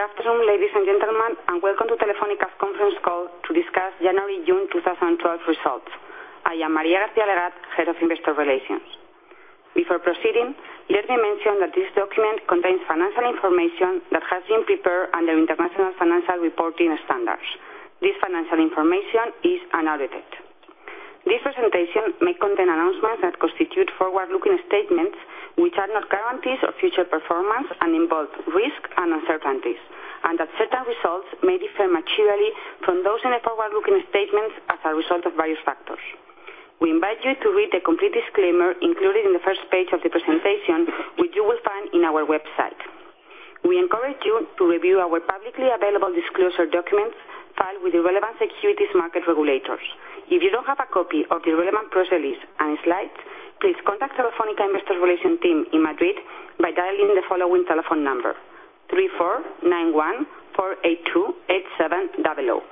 Good afternoon, ladies and gentlemen, welcome to Telefónica's conference call to discuss January to June 2012 results. I am María García-Legaz, Head of Investor Relations. Before proceeding, let me mention that this document contains financial information that has been prepared under international financial reporting standards. This financial information is unaudited. This presentation may contain announcements that constitute forward-looking statements, which are not guarantees of future performance and involve risk and uncertainties, that certain results may differ materially from those in the forward-looking statements as a result of various factors. We invite you to read the complete disclaimer included in the first page of the presentation, which you will find on our website. We encourage you to review our publicly available disclosure documents filed with the relevant securities market regulators. If you don't have a copy of the relevant press release and slides, please contact Telefónica Investor Relations team in Madrid by dialing the following telephone number: 34914828700.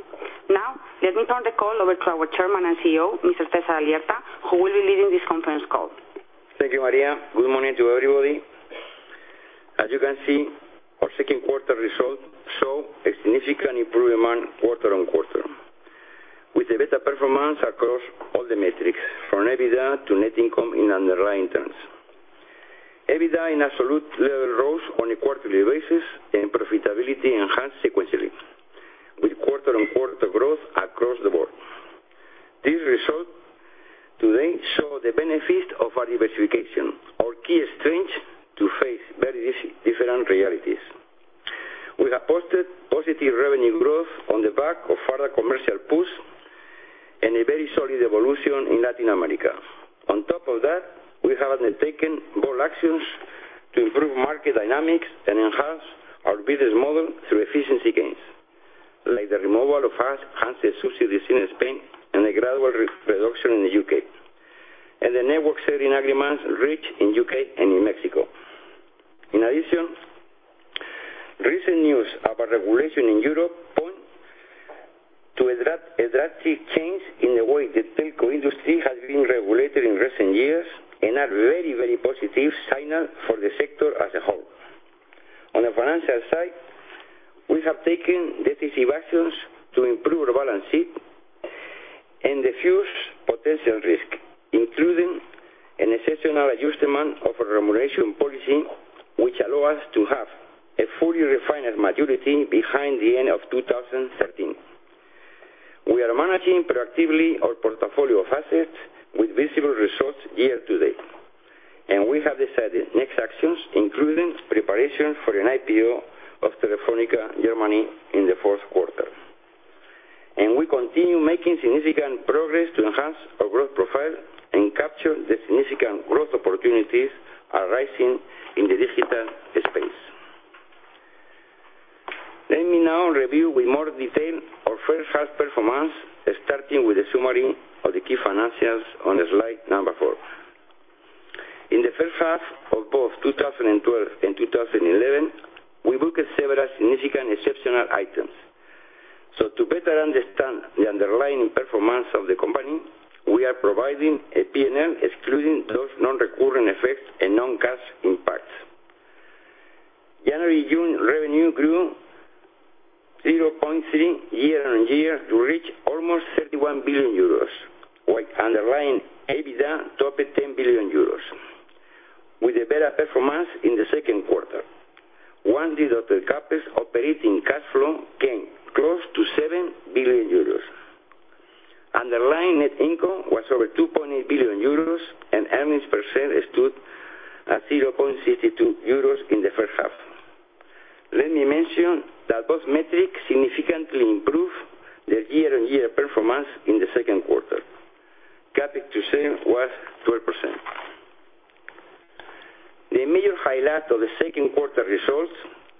Let me turn the call over to our Chairman and CEO, Mr. César Alierta, who will be leading this conference call. Thank you, María. Good morning to everybody. As you can see, our second quarter results show a significant improvement quarter-on-quarter, with a better performance across all the metrics, from EBITDA to net income in underlying terms. EBITDA in absolute level rose on a quarterly basis, and profitability enhanced sequentially, with quarter-on-quarter growth across the board. These results today show the benefit of our diversification, our key strength to face very different realities. We have posted positive revenue growth on the back of further commercial push and a very solid evolution in Latin America. On top of that, we have undertaken bold actions to improve market dynamics and enhance our business model through efficiency gains, like the removal of handset subsidies in Spain and a gradual reduction in the U.K., and the network sharing agreements reached in the U.K. and in Mexico. In addition, recent news about regulation in Europe point to a drastic change in the way the telco industry has been regulated in recent years and are very positive signals for the sector as a whole. On the financial side, we have taken decisive actions to improve our balance sheet and defuse potential risk, including an exceptional adjustment of our remuneration policy, which allow us to have a fully refinanced maturities behind the end of 2013. We are managing proactively our portfolio of assets with visible results year to date, and we have decided next actions, including preparation for an IPO of Telefónica Germany in the fourth quarter. We continue making significant progress to enhance our growth profile and capture the significant growth opportunities arising in the digital space. Let me now review in more detail our first half performance, starting with the summary of the key financials on slide number four. In the first half of both 2012 and 2011, we booked several significant exceptional items. To better understand the underlying performance of the company, we are providing a P&L excluding those non-recurring effects and non-cash impacts. January to June revenue grew 0.3% year-on-year to reach almost 31 billion euros, while underlying EBITDA topped 10 billion euros, with a better performance in the second quarter. Once the total CapEx operating cash flow gained close to 7 billion euros. Underlying net income was over 2.8 billion euros, and earnings per share stood at 0.62 euros in the first half. Let me mention that both metrics significantly improved their year-on-year performance in the second quarter. CapEx to sales was 12%. The major highlight of the second quarter results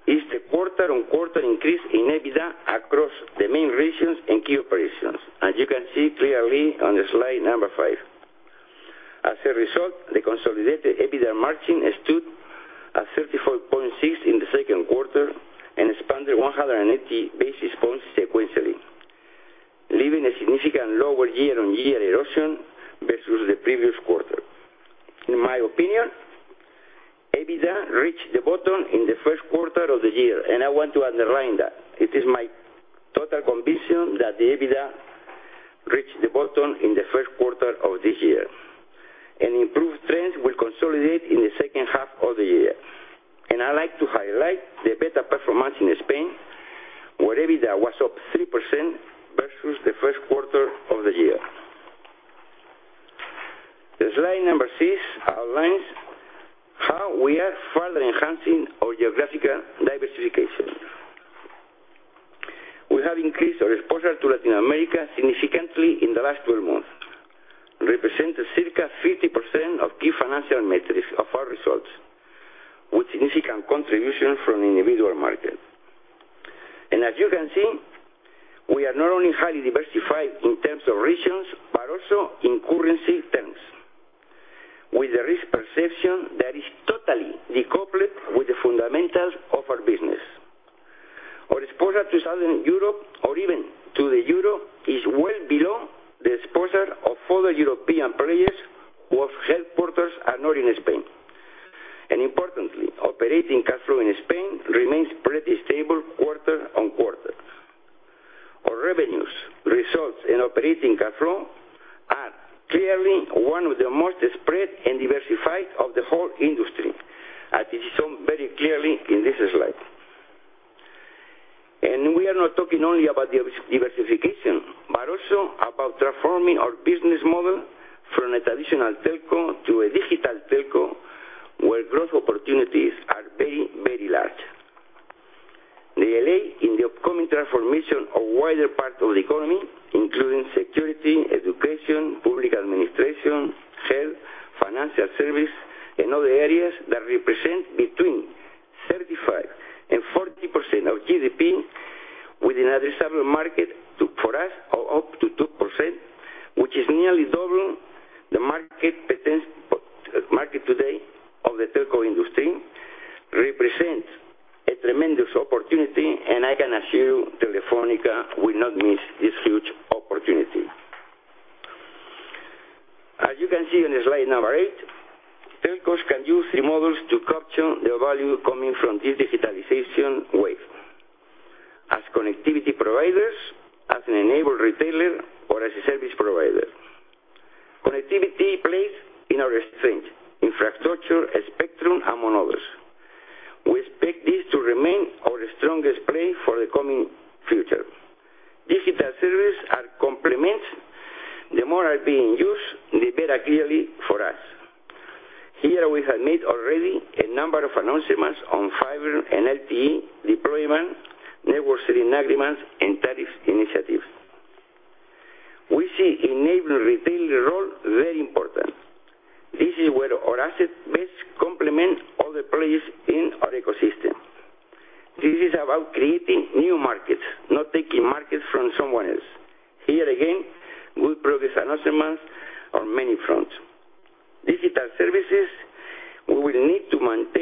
is the quarter-on-quarter increase in EBITDA across the main regions and key operations, as you can see clearly on slide number five. As a result, the consolidated EBITDA margin stood at 34.6% in the second quarter and expanded 180 basis points sequentially, leaving a significantly lower year-on-year erosion versus the previous quarter. In my opinion, EBITDA reached the bottom in the first quarter of the year, and I want to underline that. It is my total conviction that the EBITDA reached the bottom in the first quarter of this year, and improved trends will consolidate in the second half of the year. I like to highlight the better performance in Spain, where EBITDA was up 3% versus the first quarter of the year. Slide number six outlines how we are further enhancing our geographical diversification. We have increased our exposure to Latin America significantly in the last 12 months, representing circa 50% of key financial metrics of our results, with significant contribution from individual markets. As you can see, we are not only highly diversified in terms of regions, but also in currency terms, with a risk perception that is totally decoupled with the fundamentals of our business. Our exposure to Southern Europe, or even to the Euro, is well below Exposure of other European players whose headquarters are not in Spain. Importantly, operating cash flow in Spain remains pretty stable quarter-on-quarter. Our revenues, results, and operating cash flow are clearly one of the most spread and diversified of the whole industry, as it is shown very clearly in this slide. We are not talking only about diversification, but also about transforming our business model from a traditional telco to a digital telco, where growth opportunities are very, very large. The delay in the upcoming transformation of wider parts of the economy, including security, education, public administration, health, financial service, and other areas that represent between 35%-40% of GDP with an addressable market for us of up to 2%, which is nearly double the market today of the telco industry, represents a tremendous opportunity, and I can assure you, Telefónica will not miss this huge opportunity. As you can see on slide number eight, telcos can use the models to capture the value coming from this digitalization wave. As connectivity providers, as an enabler retailer, or as a service provider. Connectivity plays in our strength, infrastructure, spectrum, among others. We expect this to remain our strongest play for the coming future. Digital services are complements. The more are being used, the better clearly for us. Here we have made already a number of announcements on fiber and LTE deployment, network sharing agreements and tariff initiatives. We see enabling retailer role very important. This is where our asset best complements other players in our ecosystem. This is about creating new markets, not taking markets from someone else. Here again, good progress announcements on many fronts. Digital services, we will need to maintain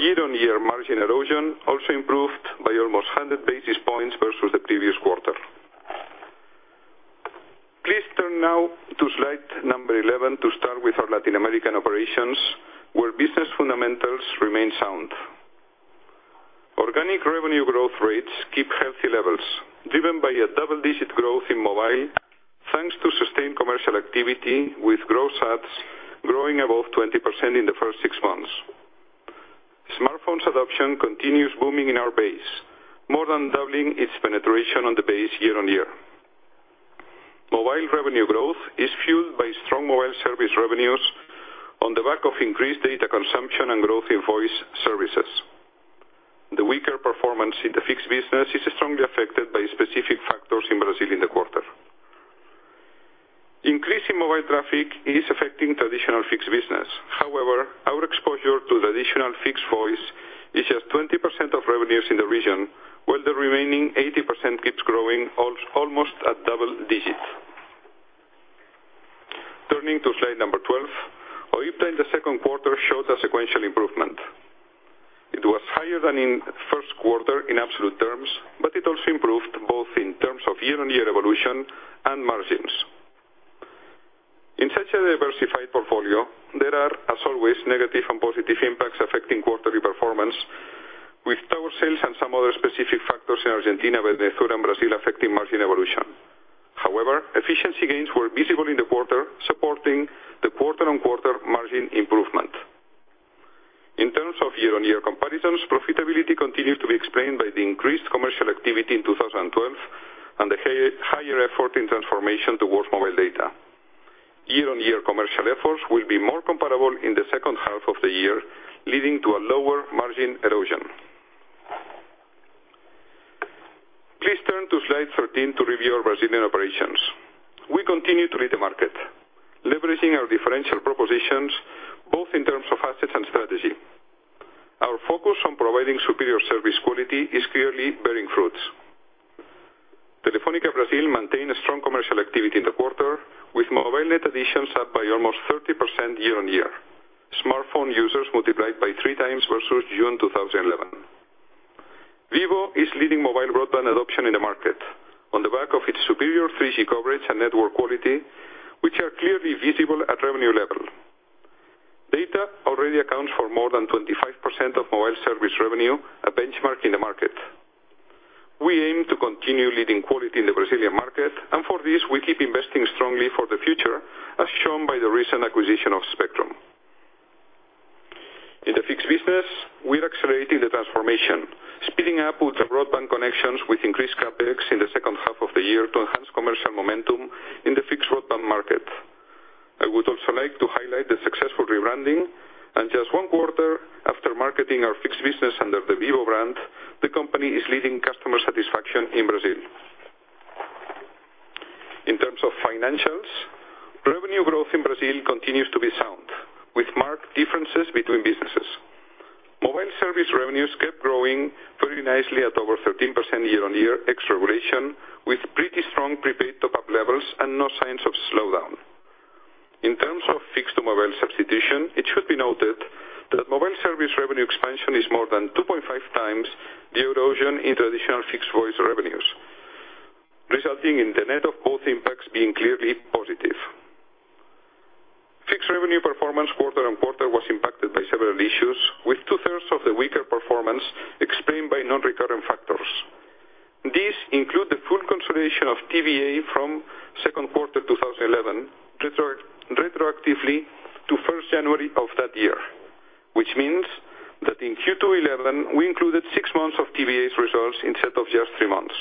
Year-on-year margin erosion also improved by almost 100 basis points versus the previous quarter. Please turn now to slide 11 to start with our Latin American operations, where business fundamentals remain sound. Organic revenue growth rates keep healthy levels, driven by a double-digit growth in mobile, thanks to sustained commercial activity, with gross adds growing above 20% in the first six months. Option continues booming in our base, more than doubling its penetration on the base year-on-year. Mobile revenue growth is fueled by strong mobile service revenues on the back of increased data consumption and growth in voice services. The weaker performance in the fixed business is strongly affected by specific factors in Brazil in the quarter. Increasing mobile traffic is affecting traditional fixed business. However, our exposure to the traditional fixed voice is just 20% of revenues in the region, while the remaining 80% keeps growing almost at double digits. Turning to slide 12. OIBDA in the second quarter showed a sequential improvement. It was higher than in first quarter in absolute terms, but it also improved both in terms of year-on-year evolution and margins. In such a diversified portfolio, there are, as always, negative and positive impacts affecting quarterly performance with tower sales and some other specific factors in Argentina, Venezuela, and Brazil affecting margin evolution. However, efficiency gains were visible in the quarter, supporting the quarter-on-quarter margin improvement. In terms of year-on-year comparisons, profitability continued to be explained by the increased commercial activity in 2012 and the higher effort in transformation towards mobile data. Year-on-year commercial efforts will be more comparable in the second half of the year, leading to a lower margin erosion. Please turn to slide 13 to review our Brazilian operations. We continue to lead the market, leveraging our differential propositions both in terms of assets and strategy. Our focus on providing superior service quality is clearly bearing fruits. Telefónica Brazil maintained a strong commercial activity in the quarter, with mobile net additions up by almost 30% year-on-year. Smartphone users multiplied by three times versus June 2011. Vivo is leading mobile broadband adoption in the market on the back of its superior 3G coverage and network quality, which are clearly visible at revenue level. Data already accounts for more than 25% of mobile service revenue, a benchmark in the market. We aim to continue leading quality in the Brazilian market, and for this, we keep investing strongly for the future, as shown by the recent acquisition of Spectrum. In the fixed business, we are accelerating the transformation, speeding up with the broadband connections with increased CapEx in the second half of the year to enhance commercial momentum in the fixed broadband market. I would also like to highlight the successful rebranding and just one quarter after marketing our fixed business under the Vivo brand, the company is leading customer satisfaction in Brazil. In terms of financials, revenue growth in Brazil continues to be sound, with marked differences between businesses. Mobile service revenues kept growing very nicely at over 13% year-on-year ex regulation, with pretty strong prepaid top-up levels and no signs of slowdown. In terms of fixed to mobile substitution, it should be noted that mobile service revenue expansion is more than 2.5 times the erosion in traditional fixed voice revenues, resulting in the net of both impacts being clearly positive. Fixed revenue performance quarter-on-quarter was impacted by several issues, with two-thirds of the weaker performance explained by non-recurring factors. These include the full consolidation of TVA from second quarter 2011 retroactively to 1st January of that year, which means that in Q2 2011, we included 6 months of TVA's results instead of just 3 months.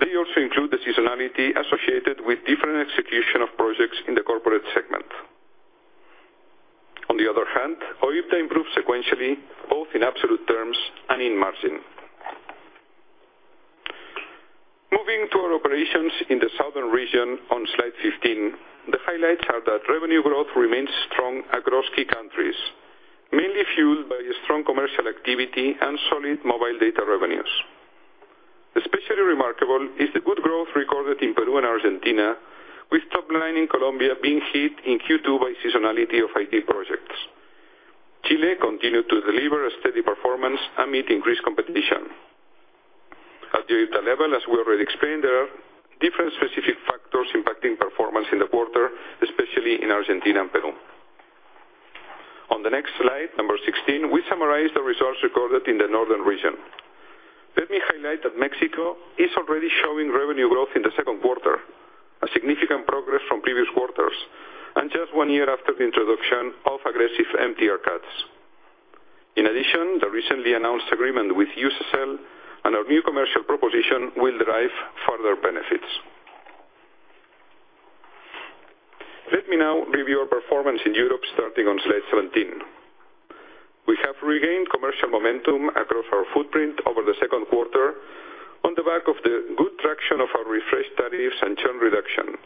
They also include the seasonality associated with different execution of projects in the corporate segment. On the other hand, OIBDA improved sequentially, both in absolute terms and in margin. Moving to our operations in the southern region on slide 15. The highlights are that revenue growth remains strong across key countries, mainly fueled by strong commercial activity and solid mobile data revenues. Especially remarkable is the good growth recorded in Peru and Argentina, with topline in Colombia being hit in Q2 by seasonality of IT projects. Chile continued to deliver a steady performance amid increased competition. At the OIBDA level, as we already explained, there are different specific factors impacting performance in the quarter, especially in Argentina and Peru. On the next slide, number 16, we summarize the results recorded in the northern region. Let me highlight that Mexico is already showing revenue growth in the second quarter, a significant progress from previous quarters and just one year after the introduction of aggressive MTR cuts. In addition, the recently announced agreement with Iusacell and our new commercial proposition will derive further benefits. Let me now review our performance in Europe starting on slide 17. We have regained commercial momentum across our footprint over the second quarter on the back of the good traction of our refreshed tariffs and churn reduction,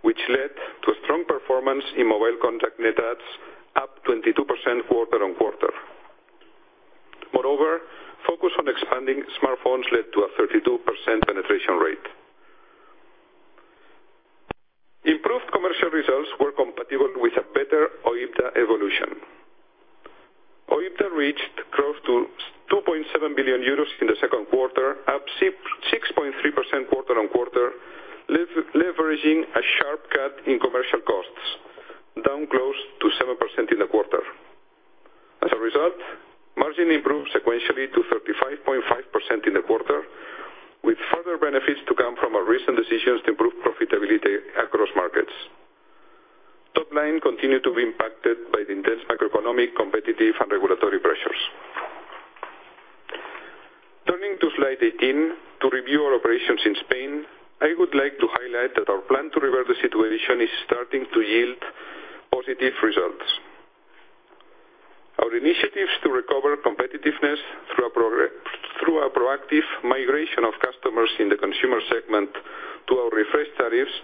which led to a strong performance in mobile contact net adds up 22% quarter-on-quarter. Moreover, focus on expanding smartphones led to a 32% penetration rate. Improved commercial results were compatible with a better OIBDA evolution. OIBDA reached close to 2.7 billion euros in the second quarter, up 6.3% quarter-on-quarter, leveraging a sharp cut in commercial costs, down close to 7% in the quarter. As a result, margin improved sequentially to 35.5% in the quarter, with further benefits to come from our recent decisions to improve profitability across markets. Topline continued to be impacted by the intense macroeconomic, competitive, and regulatory pressures. Turning to slide 18, to review our operations in Spain, I would like to highlight that our plan to revert the situation is starting to yield positive results. Our initiatives to recover competitiveness through our proactive migration of customers in the consumer segment to our refreshed tariffs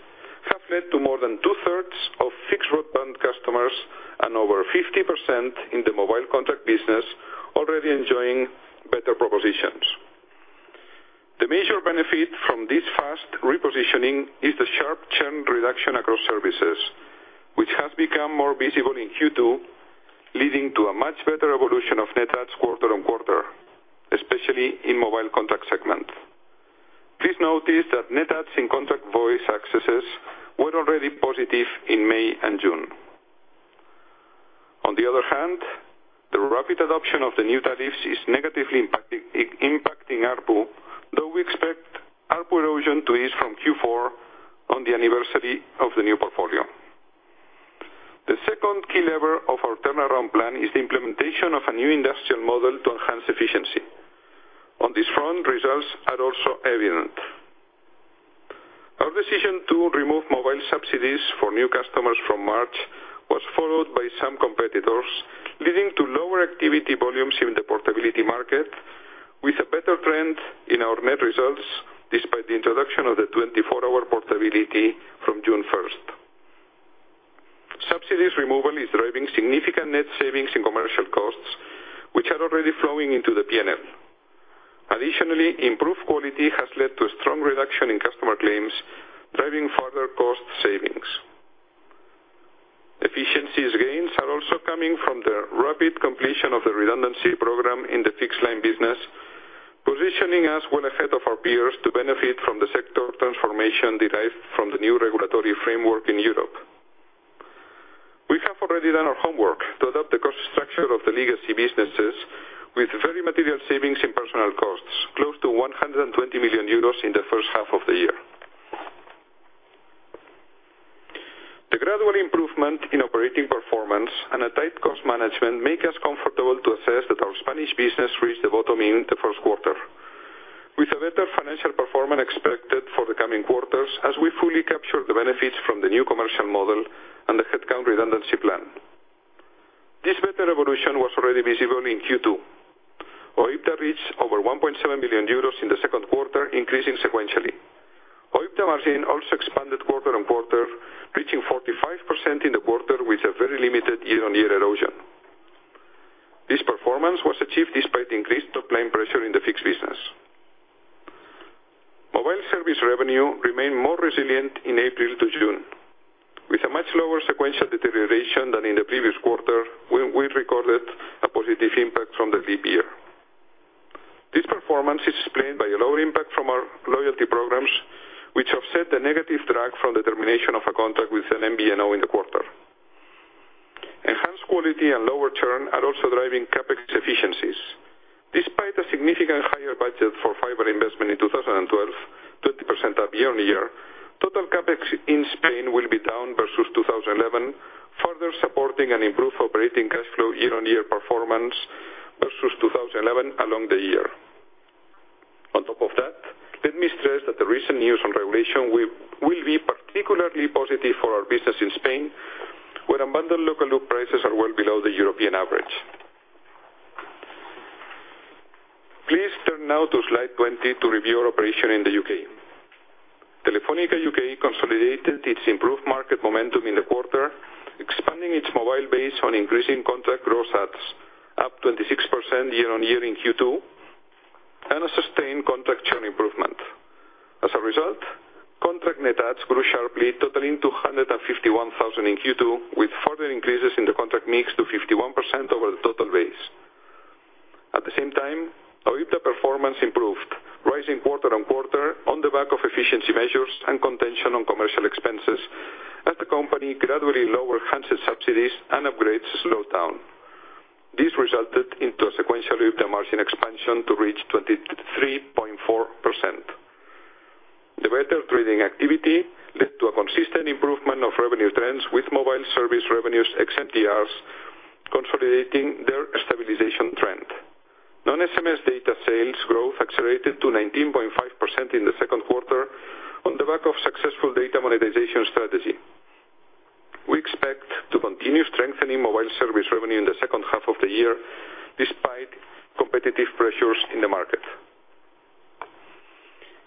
have led to more than two-thirds of fixed broadband customers and over 50% in the mobile contract business already enjoying better propositions. The major benefit from this fast repositioning is the sharp churn reduction across services, which has become more visible in Q2, leading to a much better evolution of net adds quarter-on-quarter, especially in mobile contract segment. Please notice that net adds in contract voice accesses were already positive in May and June. On the other hand, the rapid adoption of the new tariffs is negatively impacting ARPU, though we expect ARPU erosion to ease from Q4 on the anniversary of the new portfolio. The second key lever of our turnaround plan is the implementation of a new industrial model to enhance efficiency. On this front, results are also evident. Our decision to remove mobile subsidies for new customers from March was followed by some competitors, leading to lower activity volumes in the portability market with a better trend in our net results despite the introduction of the 24-hour portability from June 1st. Subsidies removal is driving significant net savings in commercial costs, which are already flowing into the P&L. Additionally, improved quality has led to a strong reduction in customer claims, driving further cost savings. Efficiencies gains are also coming from the rapid completion of the redundancy program in the fixed line business, positioning us well ahead of our peers to benefit from the sector transformation derived from the new regulatory framework in Europe. We have already done our homework to adapt the cost structure of the legacy businesses with very material savings in personnel costs, close to 120 million euros in the first half of the year. The gradual improvement in operating performance and a tight cost management make us comfortable to assess that our Spanish business reached the bottom in the first quarter, with a better financial performance expected for the coming quarters as we fully capture the benefits from the new commercial model and the headcount redundancy plan. This better evolution was already visible in Q2. OIBDA reached over 1.7 billion euros in the second quarter, increasing sequentially. OIBDA margin also expanded quarter-on-quarter, reaching 45% in the quarter with a very limited year-on-year erosion. This performance was achieved despite increased top-line pressure in the fixed business. Mobile service revenue remained more resilient in April to June, with a much lower sequential deterioration than in the previous quarter, when we recorded a positive impact from the VBR. This performance is explained by a lower impact from our loyalty programs, which offset the negative drag from the termination of a contract with an MVNO in the quarter. Enhanced quality and lower churn are also driving CapEx efficiencies. Despite a significantly higher budget for fiber investment in 2012, 20% up year-on-year, total CapEx in Spain will be down versus 2011, further supporting an improved operating cash flow year-on-year performance versus 2011 along the year. On top of that, let me stress that the recent news on regulation will be particularly positive for our business in Spain, where unbundled local loop prices are well below the European average. Please turn now to slide 20 to review our operation in the U.K. Telefónica UK consolidated its improved market momentum in the quarter, expanding its mobile base on increasing contract gross adds, up 26% year-on-year in Q2, and a sustained contract churn improvement. As a result, contract net adds grew sharply, totaling 251,000 in Q2, with further increases in the contract mix to 51% over the total base. At the same time, OIBDA performance improved, rising quarter-on-quarter on the back of efficiency measures and contention on commercial expenses as the company gradually lowered handset subsidies and upgrades slowed down. This resulted in sequentially OIBDA margin expansion to reach 23.4%. The better trading activity led to a consistent improvement of revenue trends, with mobile service revenues ex MTRs consolidating their stabilization trend. Non-SMS data sales growth accelerated to 19.5% in the second quarter on the back of successful data monetization strategy. We expect to continue strengthening mobile service revenue in the second half of the year, despite competitive pressures in the market.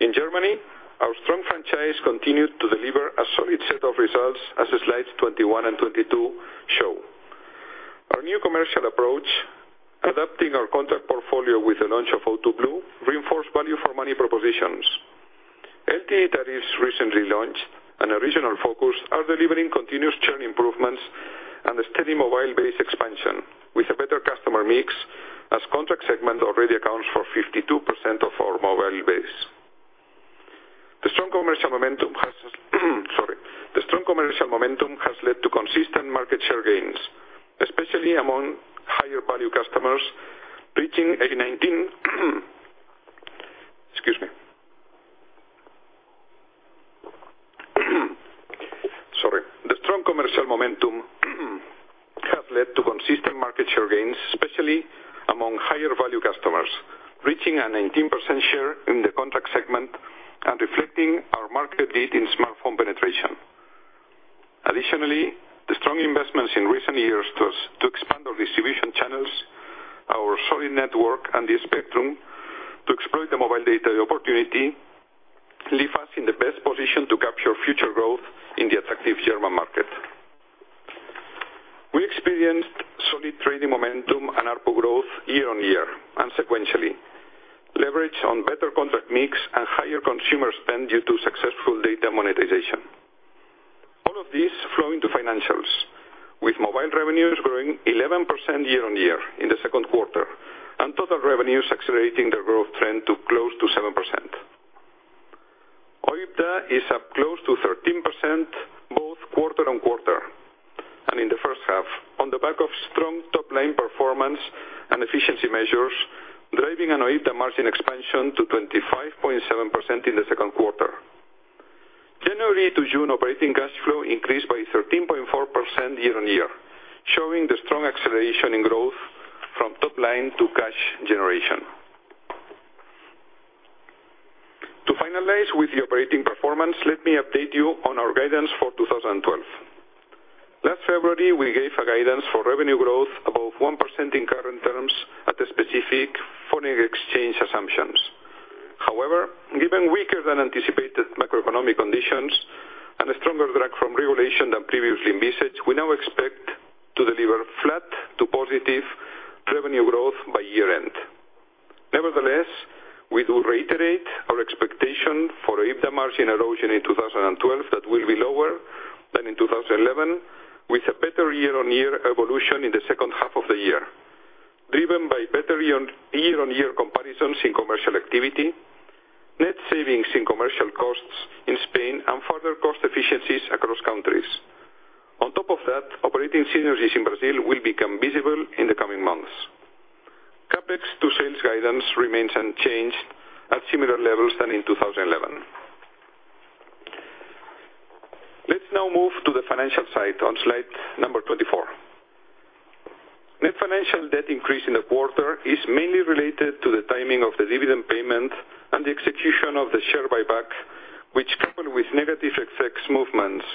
In Germany, our strong franchise continued to deliver a solid set of results as slides 21 and 22 show. Our new commercial approach, adapting our contract portfolio with the launch of O2 Blue, reinforced value for money propositions. LTE tariffs recently launched and a regional focus are delivering continuous churn improvements and a steady mobile base expansion with a better customer mix as contract segment already accounts for 52% of our mobile base. The strong commercial momentum has led to consistent market share gains, especially among higher value customers, reaching 18. The strong commercial momentum has led to consistent market share gains, especially among higher value customers, reaching a 19% share in the contract segment and reflecting our market lead in smartphone penetration. Additionally, the strong investments in recent years to expand our distribution channels, our solid network, and the spectrum to exploit the mobile data opportunity, leave us in the best position to capture future growth in the attractive German market. We experienced solid trading momentum and ARPU growth year-on-year and sequentially, leverage on better contract mix and higher consumer spend due to successful data monetization. All of this flowing to financials, with mobile revenues growing 11% year-on-year in the second quarter, and total revenues accelerating their growth trend to close to 7%. OIBDA is up close to 13%, both quarter-on-quarter and in the first half, on the back of strong top-line performance and efficiency measures, driving an OIBDA margin expansion to 25.7% in the second quarter. January to June operating cash flow increased by 13.4% year-on-year, showing the strong acceleration in growth from top line to cash generation. To finalize with the operating performance, let me update you on our guidance for 2012. Last February, we gave a guidance for revenue growth above 1% in current terms at the specific foreign exchange assumptions. However, given weaker than anticipated macroeconomic conditions and a stronger drag from regulation than previously envisaged, we now expect to deliver flat to positive revenue growth by year-end. We do reiterate our expectation for OIBDA margin erosion in 2012 that will be lower than in 2011, with a better year-on-year evolution in the second half of the year, driven by better year-on-year comparisons in commercial activity, net savings in commercial costs in Spain, and further cost efficiencies across countries. On top of that, operating synergies in Brazil will become visible in the coming months. CapEx to sales guidance remains unchanged at similar levels than in 2011. Let's now move to the financial side on slide number 24. Net financial debt increase in the quarter is mainly related to the timing of the dividend payment and the execution of the share buyback, which coupled with negative FX movements,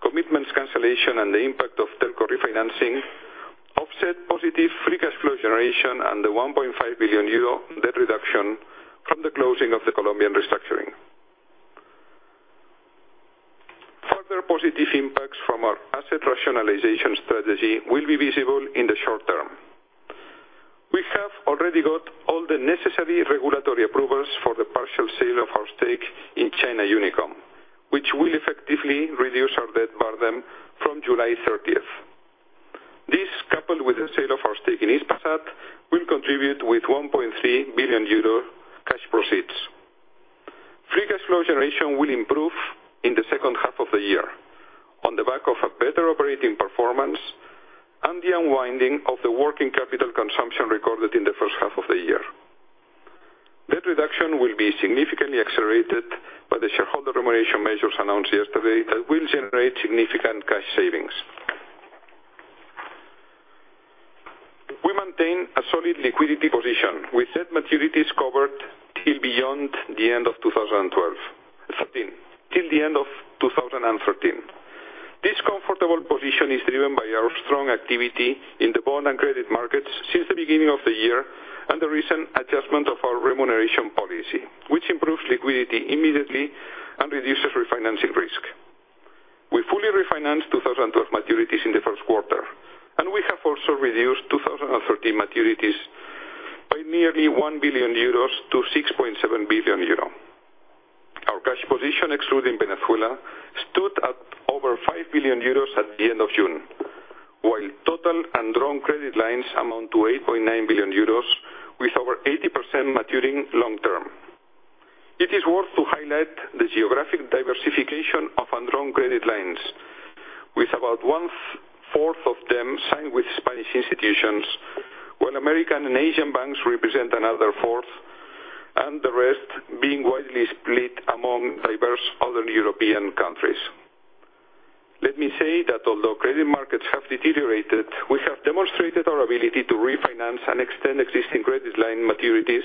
commitments cancellation, and the impact of telco refinancing, offset positive free cash flow generation and the 1.5 billion euro debt reduction from the closing of the Colombian restructuring. Further positive impacts from our asset rationalization strategy will be visible in the short term. We have already got all the necessary regulatory approvals for the partial sale of our stake in China Unicom, which will effectively reduce our debt burden from July 30th. This, coupled with the sale of our stake in Hispasat, will contribute with 1.3 billion euro cash proceeds. Free cash flow generation will improve in the second half of the year on the back of a better operating performance and the unwinding of the working capital consumption recorded in the first half of the year. Debt reduction will be significantly accelerated by the shareholder remuneration measures announced yesterday that will generate significant cash savings. We maintain a solid liquidity position, with debt maturities covered till the end of 2013. This comfortable position is driven by our strong activity in the bond and credit markets since the beginning of the year and the recent adjustment of our remuneration policy, which improves liquidity immediately and reduces refinancing risk. We fully refinanced 2012 maturities in the first quarter. We have also reduced 2013 maturities by nearly 1 billion euros to 6.7 billion euro. Our cash position, excluding Venezuela, stood at over 5 billion euros at the end of June, while total undrawn credit lines amount to 8.9 billion euros, with over 80% maturing long term. It is worth to highlight the geographic diversification of undrawn credit lines, with about one-fourth of them signed with Spanish institutions, while American and Asian banks represent another fourth, and the rest being widely split among diverse other European countries. Let me say that although credit markets have deteriorated, we have demonstrated our ability to refinance and extend existing credit line maturities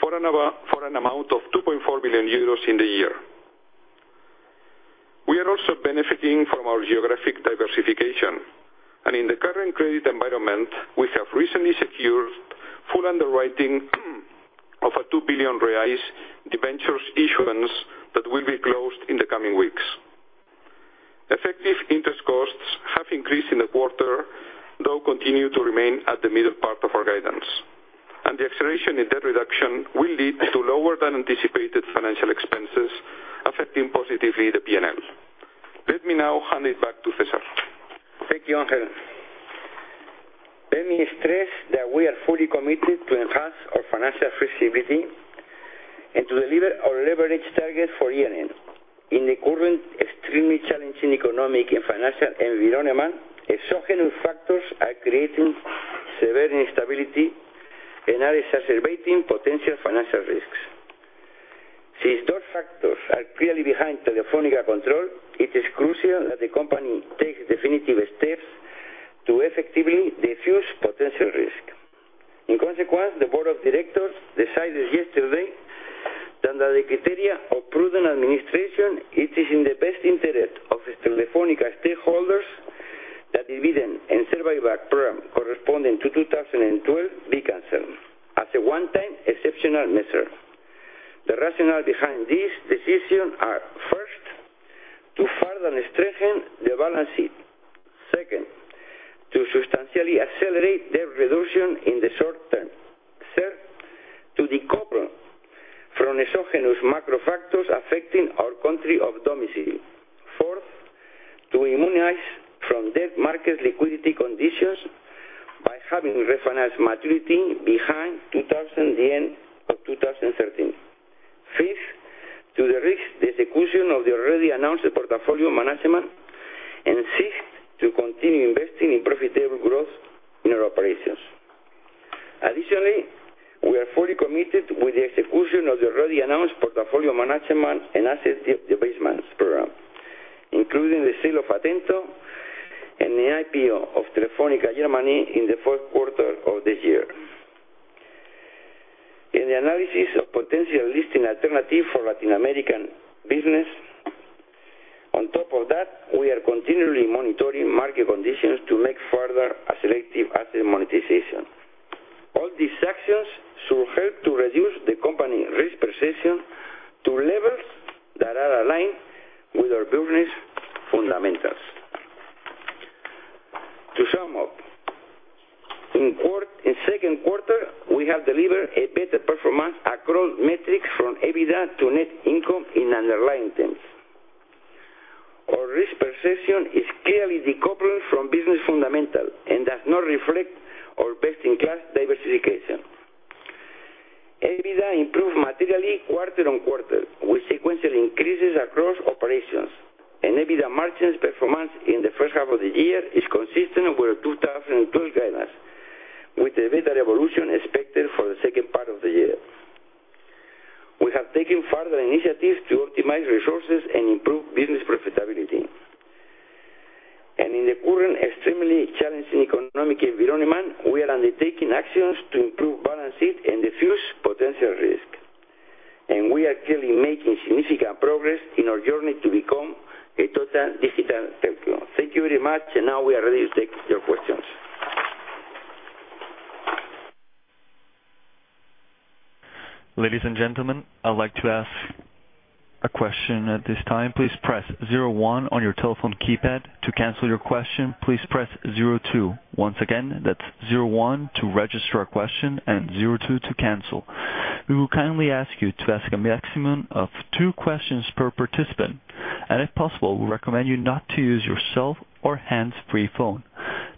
for an amount of 2.4 billion euros in the year. We are also benefiting from our geographic diversification. In the current credit environment, we have recently secured full underwriting of a 2 billion reais debentures issuance that will be closed in the coming weeks. Effective interest costs have increased in the quarter, though continue to remain at the middle part of our guidance. The acceleration in debt reduction will lead to lower than anticipated financial expenses, affecting positively the P&L. Let me now hand it back to César. Thank you, Ángel. Let me stress that we are fully committed to enhance our financial flexibility and to deliver our leverage target for year end. In the current extremely challenging economic and financial environment, exogenous factors are creating severe instability. Are exacerbating potential financial risks. Those factors are clearly behind Telefónica control, it is crucial that the company takes definitive steps to effectively diffuse potential risk. In consequence, the board of directors decided yesterday that the criteria of prudent administration, it is in the best interest of Telefónica stakeholders that dividend and share buyback program corresponding to 2012 be canceled as a one-time exceptional measure. The rationale behind this decision are, first, to further strengthen the balance sheet. Second, to substantially accelerate debt reduction in the short term. Third, to decouple from exogenous macro factors affecting our country of domicile. Fourth, to immunize from debt market liquidity conditions by having refinanced maturity behind the end of 2013. Fifth, to de-risk the execution of the already announced portfolio management. Sixth, to continue investing in profitable growth in our operations. Additionally, we are fully committed with the execution of the already announced portfolio management and asset debasement program, including the sale of Atento and the IPO of Telefónica Germany in the fourth quarter of this year. In the analysis of potential listing alternative for Latin American business. On top of that, we are continually monitoring market conditions to make further a selective asset monetization. All these actions should help to reduce the company risk perception to levels that are aligned with our business fundamentals. To sum up, in second quarter, we have delivered a better performance across metrics from EBITDA to net income in underlying terms. Our risk perception is clearly decoupled from business fundamental and does not reflect our best-in-class diversification. EBITDA improved materially quarter-on-quarter, with sequential increases across operations, EBITDA margins performance in the first half of the year is consistent with 2012 guidance, with EBITDA evolution expected for the second part of the year. We have taken further initiatives to optimize resources and improve business profitability. In the current extremely challenging economic environment, we are undertaking actions to improve balance sheet and diffuse potential risk. We are clearly making significant progress in our journey to become a total digital telecom. Thank you very much. Now we are ready to take your questions. Ladies and gentlemen, I'd like to ask a question at this time. Please press one on your telephone keypad. To cancel your question, please press two. Once again, that's one to register a question and two to cancel. We will kindly ask you to ask a maximum of two questions per participant. If possible, we recommend you not to use your cell or hands-free phone.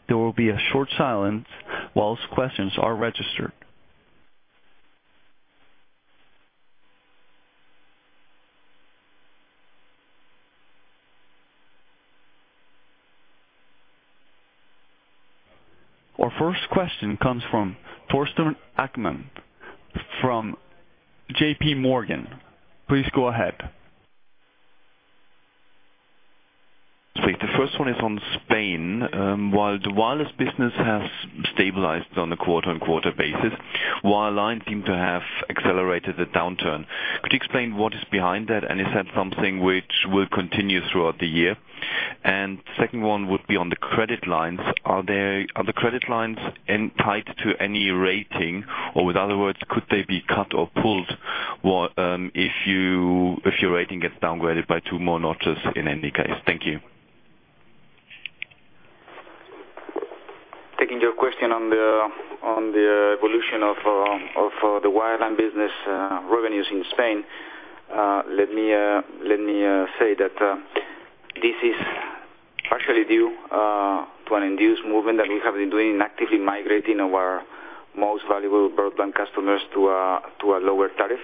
There will be a short silence whilst questions are registered. Our first question comes from Torsten Achtmann from JPMorgan. Please go ahead. Great. The first one is on Spain. While the wireless business has stabilized on a quarter-on-quarter basis, wireline seem to have accelerated the downturn. Could you explain what is behind that? Is that something which will continue throughout the year? Second one would be on the credit lines. Are the credit lines tied to any rating, or with other words, could they be cut or pulled if your rating gets downgraded by two more notches in any case? Thank you. Taking your question on the evolution of the wireline business revenues in Spain, let me say that this is partially due to an induced movement that we have been doing in actively migrating our most valuable broadband customers to a lower tariff.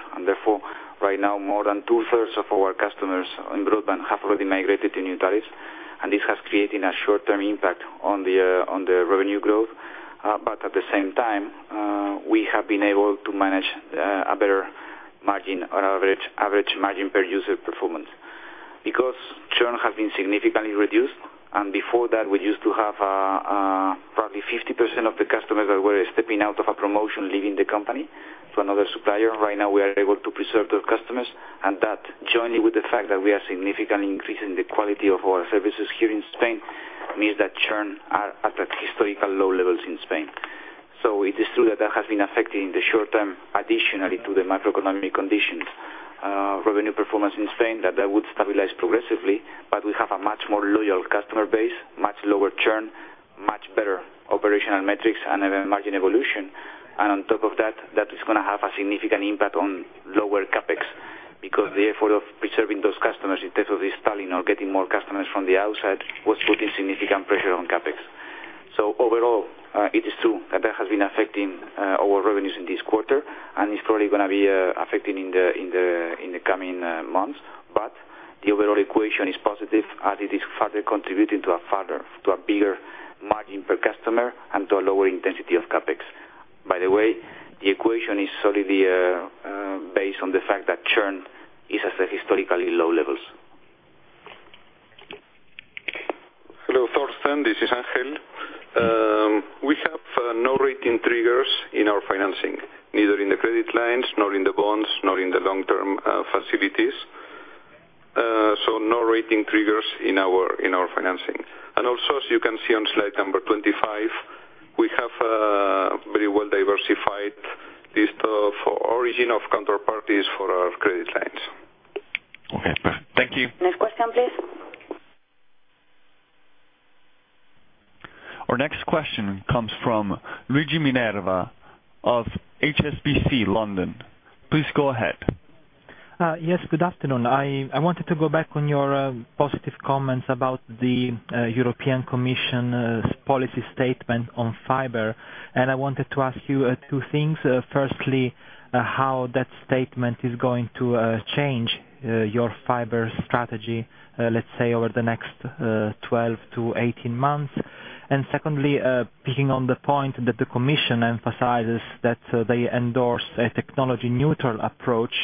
Right now, more than two-thirds of our customers on broadband have already migrated to new tariffs, and this has created a short-term impact on the revenue growth. At the same time, we have been able to manage a better margin on average margin per user performance. Because churn has been significantly reduced, and before that, we used to have probably 50% of the customers that were stepping out of a promotion leaving the company to another supplier. Right now, we are able to preserve those customers, and that, joining with the fact that we are significantly increasing the quality of our services here in Spain, means that churn are at historical low levels in Spain. It is true that that has been affecting the short-term additionally to the macroeconomic conditions, revenue performance in Spain, that would stabilize progressively, but we have a much more loyal customer base, much lower churn, much better operational metrics and margin evolution. On top of that is going to have a significant impact on lower CapEx, because the effort of preserving those customers instead of installing or getting more customers from the outside was putting significant pressure on CapEx. Overall, it is true that that has been affecting our revenues in this quarter, and it's probably going to be affecting in the coming months. The overall equation is positive as it is further contributing to a bigger margin per customer and to a lower intensity of CapEx. By the way, the equation is solely based on the fact that churn is at historically low levels. Hello, Torsten, this is Ángel. We have no rating triggers in our financing, neither in the credit lines, nor in the bonds, nor in the long-term facilities. No rating triggers in our financing. Also, as you can see on slide number 25, we have a very well-diversified list of origin of counter parties for our credit lines. Okay, thank you. Next question, please. Our next question comes from Luigi Minerva of HSBC, London. Please go ahead. Yes, good afternoon. I wanted to go back on your positive comments about the European Commission's policy statement on fiber. I wanted to ask you two things. Firstly, how that statement is going to change your fiber strategy, let's say, over the next 12 to 18 months? Secondly, picking on the point that the Commission emphasizes that they endorse a technology-neutral approach,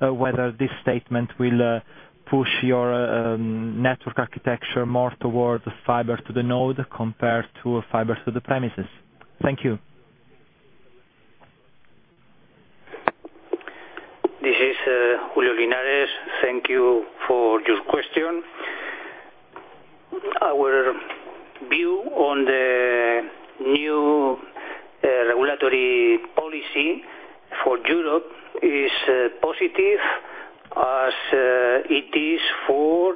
whether this statement will push your network architecture more towards fiber to the node compared to fiber to the premises. Thank you. This is Julio Linares. Thank you for your question. Our view on the new regulatory policy for Europe is positive, as it is for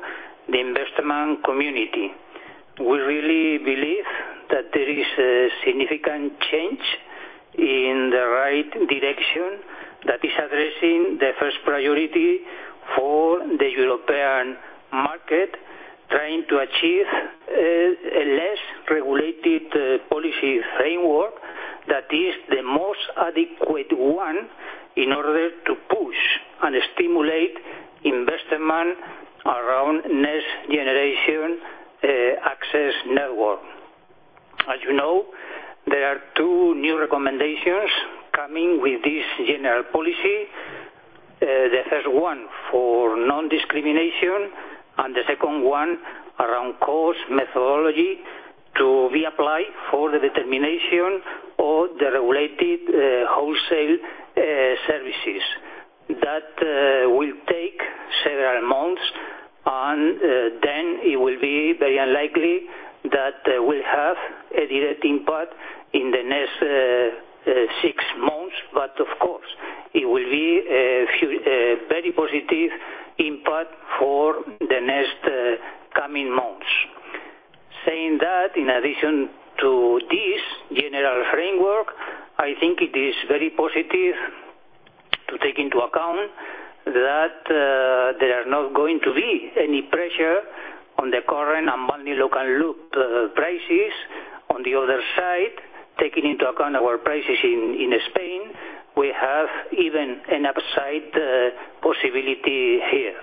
the investment community. We really believe that there is a significant change in the right direction that is addressing the first priority for the European market, trying to achieve a less regulated policy framework that is the most adequate one in order to push and stimulate investment around next-generation access network. As you know, there are two new recommendations coming with this general policy. The first one for non-discrimination, and the second one around cost methodology to be applied for the determination of the regulated wholesale services. That will take several months, and then it will be very unlikely that we'll have a direct impact in the next six months. Of course, it will be a very positive impact for the next coming months. Saying that, in addition to this general framework, I think it is very positive to take into account that there are not going to be any pressure on the current unbundled local loop prices. On the other side, taking into account our prices in Spain, we have even an upside possibility here.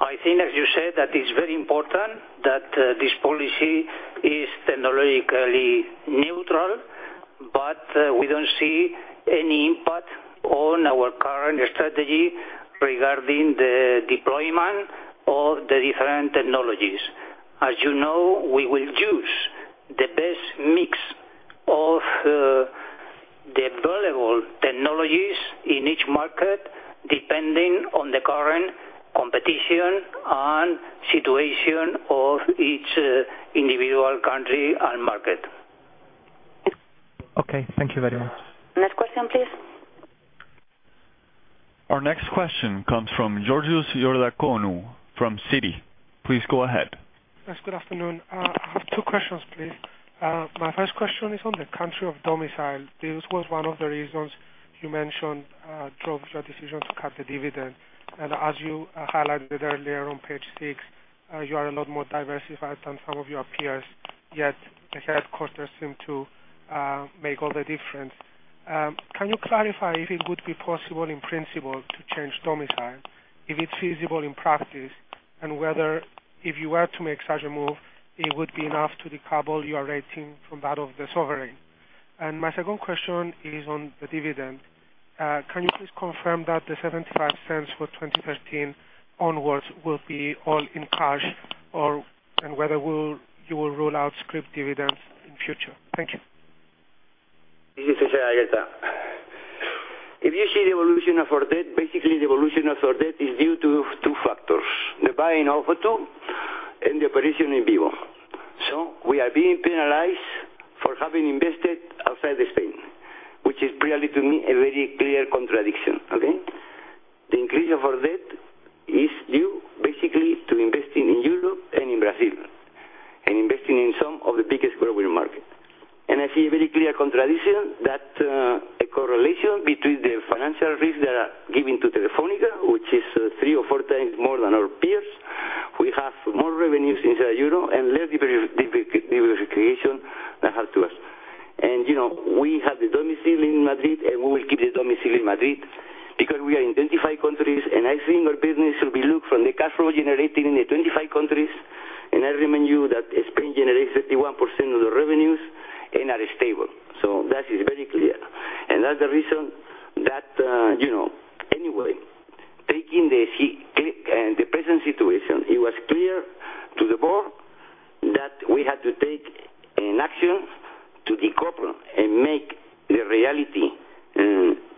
I think, as you said, that it's very important that this policy is technologically neutral, we don't see any impact on our current strategy regarding the deployment of the different technologies. As you know, we will choose the best mix of the available technologies in each market depending on the current competition and situation of each individual country and market. Okay, thank you very much. Next question, please. Our next question comes from Georgios Ierodiaconou from Citi. Please go ahead. Yes, good afternoon. I have two questions, please. My first question is on the country of domicile. This was one of the reasons you mentioned drove your decision to cut the dividend. As you highlighted earlier on page six, you are a lot more diversified than some of your peers, yet the headquarters seem to make all the difference. Can you clarify if it would be possible in principle to change domicile, if it's feasible in practice, and whether if you were to make such a move, it would be enough to decouple your rating from that of the sovereign? My second question is on the dividend. Can you please confirm that the 0.75 for 2013 onwards will be all in cash, and whether you will rule out scrip dividends in future? Thank you. This is José Aguerrea. If you see the evolution of our debt, basically, the evolution of our debt is due to two factors, the buying of O2, and the operation in Vivo. We are being penalized for having invested outside of Spain, which is really, to me, a very clear contradiction. Okay? The increase of our debt is due basically to investing in Europe and in Brazil, investing in some of the biggest growing markets. I see a very clear contradiction that a correlation between the financial risks that are given to Telefónica, which is three or four times more than our peers Revenues inside Euro and less diversification that help to us. We have the domiciling Madrid, and we will keep the domiciling Madrid because we are in 25 countries, and I think our business will be looked from the cash flow generated in the 25 countries. I remind you that Spain generates 51% of the revenues and are stable. That is very clear. That's the reason that, anyway, taking the present situation, it was clear to the board that we had to take an action to decouple and make the reality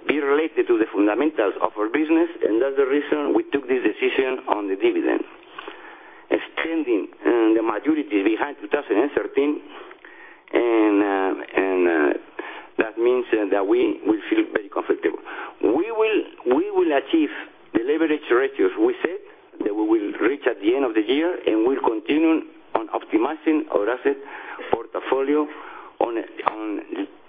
be related to the fundamentals of our business, and that's the reason we took this decision on the dividend. Extending the maturity behind 2013, and that means that we will feel very comfortable. We will achieve the leverage ratios. We said that we will reach at the end of the year, we'll continue on optimizing our asset portfolio on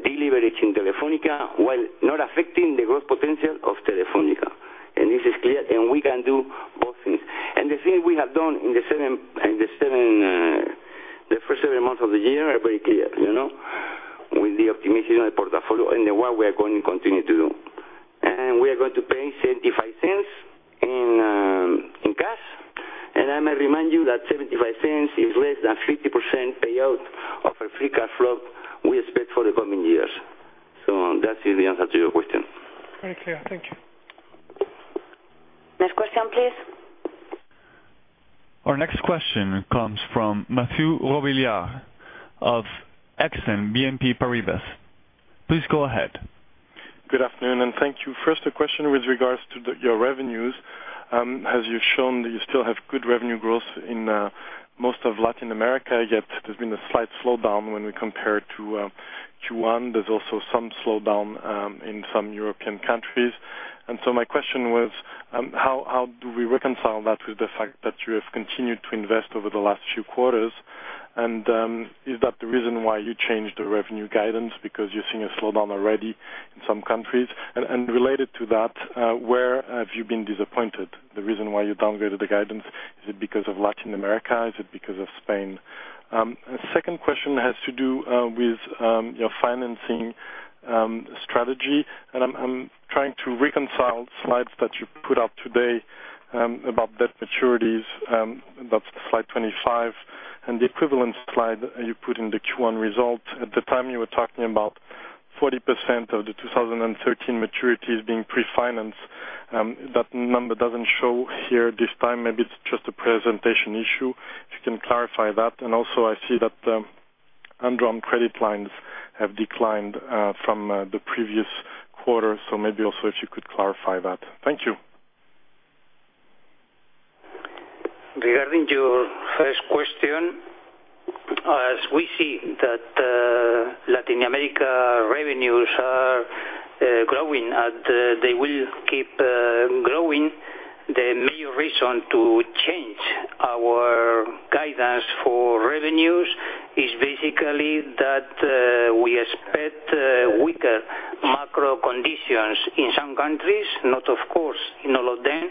de-leveraging Telefónica while not affecting the growth potential of Telefónica. This is clear, we can do both things. The things we have done in the first seven months of the year are very clear. With the optimization of the portfolio and what we are going to continue to do. We are going to pay 0.75 in cash. I may remind you that 0.75 is less than 50% payout of our free cash flow we expect for the coming years. That is the answer to your question. Very clear. Thank you. Next question, please. Our next question comes from Mathieu Robillard of Exane BNP Paribas. Please go ahead. Good afternoon, and thank you. First, a question with regards to your revenues. As you've shown that you still have good revenue growth in most of Latin America, yet there's been a slight slowdown when we compare to Q1. There's also some slowdown in some European countries. My question was, how do we reconcile that with the fact that you have continued to invest over the last few quarters? Is that the reason why you changed the revenue guidance because you're seeing a slowdown already in some countries? Related to that, where have you been disappointed? The reason why you downgraded the guidance, is it because of Latin America? Is it because of Spain? Second question has to do with your financing strategy, I'm trying to reconcile slides that you put out today, about debt maturities, about slide 25 and the equivalent slide you put in the Q1 result. At the time, you were talking about 40% of the 2013 maturities being pre-financed. That number doesn't show here this time. Maybe it's just a presentation issue. If you can clarify that. Also, I see that the undrawn credit lines have declined from the previous quarter. Maybe also if you could clarify that. Thank you. Regarding your first question, as we see that Latin America revenues are growing, they will keep growing. The main reason to change our guidance for revenues is basically that we expect weaker macro conditions in some countries, not of course in all of them,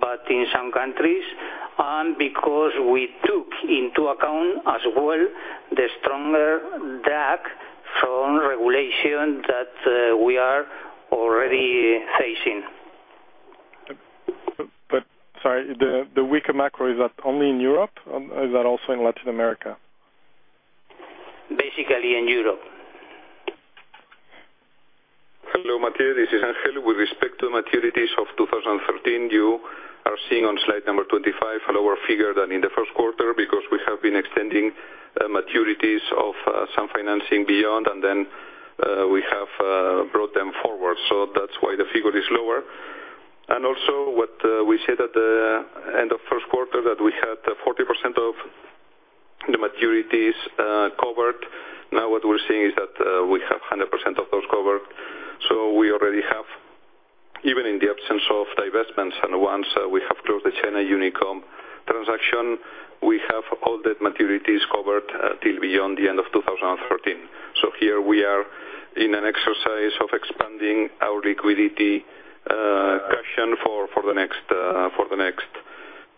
but in some countries, and because we took into account as well the stronger drag from regulation that we are already facing. Sorry, the weaker macro, is that only in Europe? Is that also in Latin America? Basically in Europe. Hello, Mathieu, this is Ángel. With respect to maturities of 2013, you are seeing on slide number 25 a lower figure than in the first quarter because we have been extending maturities of some financing beyond. Then we have brought them forward. That's why the figure is lower. Also what we said at the end of first quarter that we had 40% of the maturities covered. Now what we're seeing is that we have 100% of those covered. We already have, even in the absence of divestments, and once we have closed the China Unicom transaction, we have all that maturities covered till beyond the end of 2013. Here we are in an exercise of expanding our liquidity cushion for the next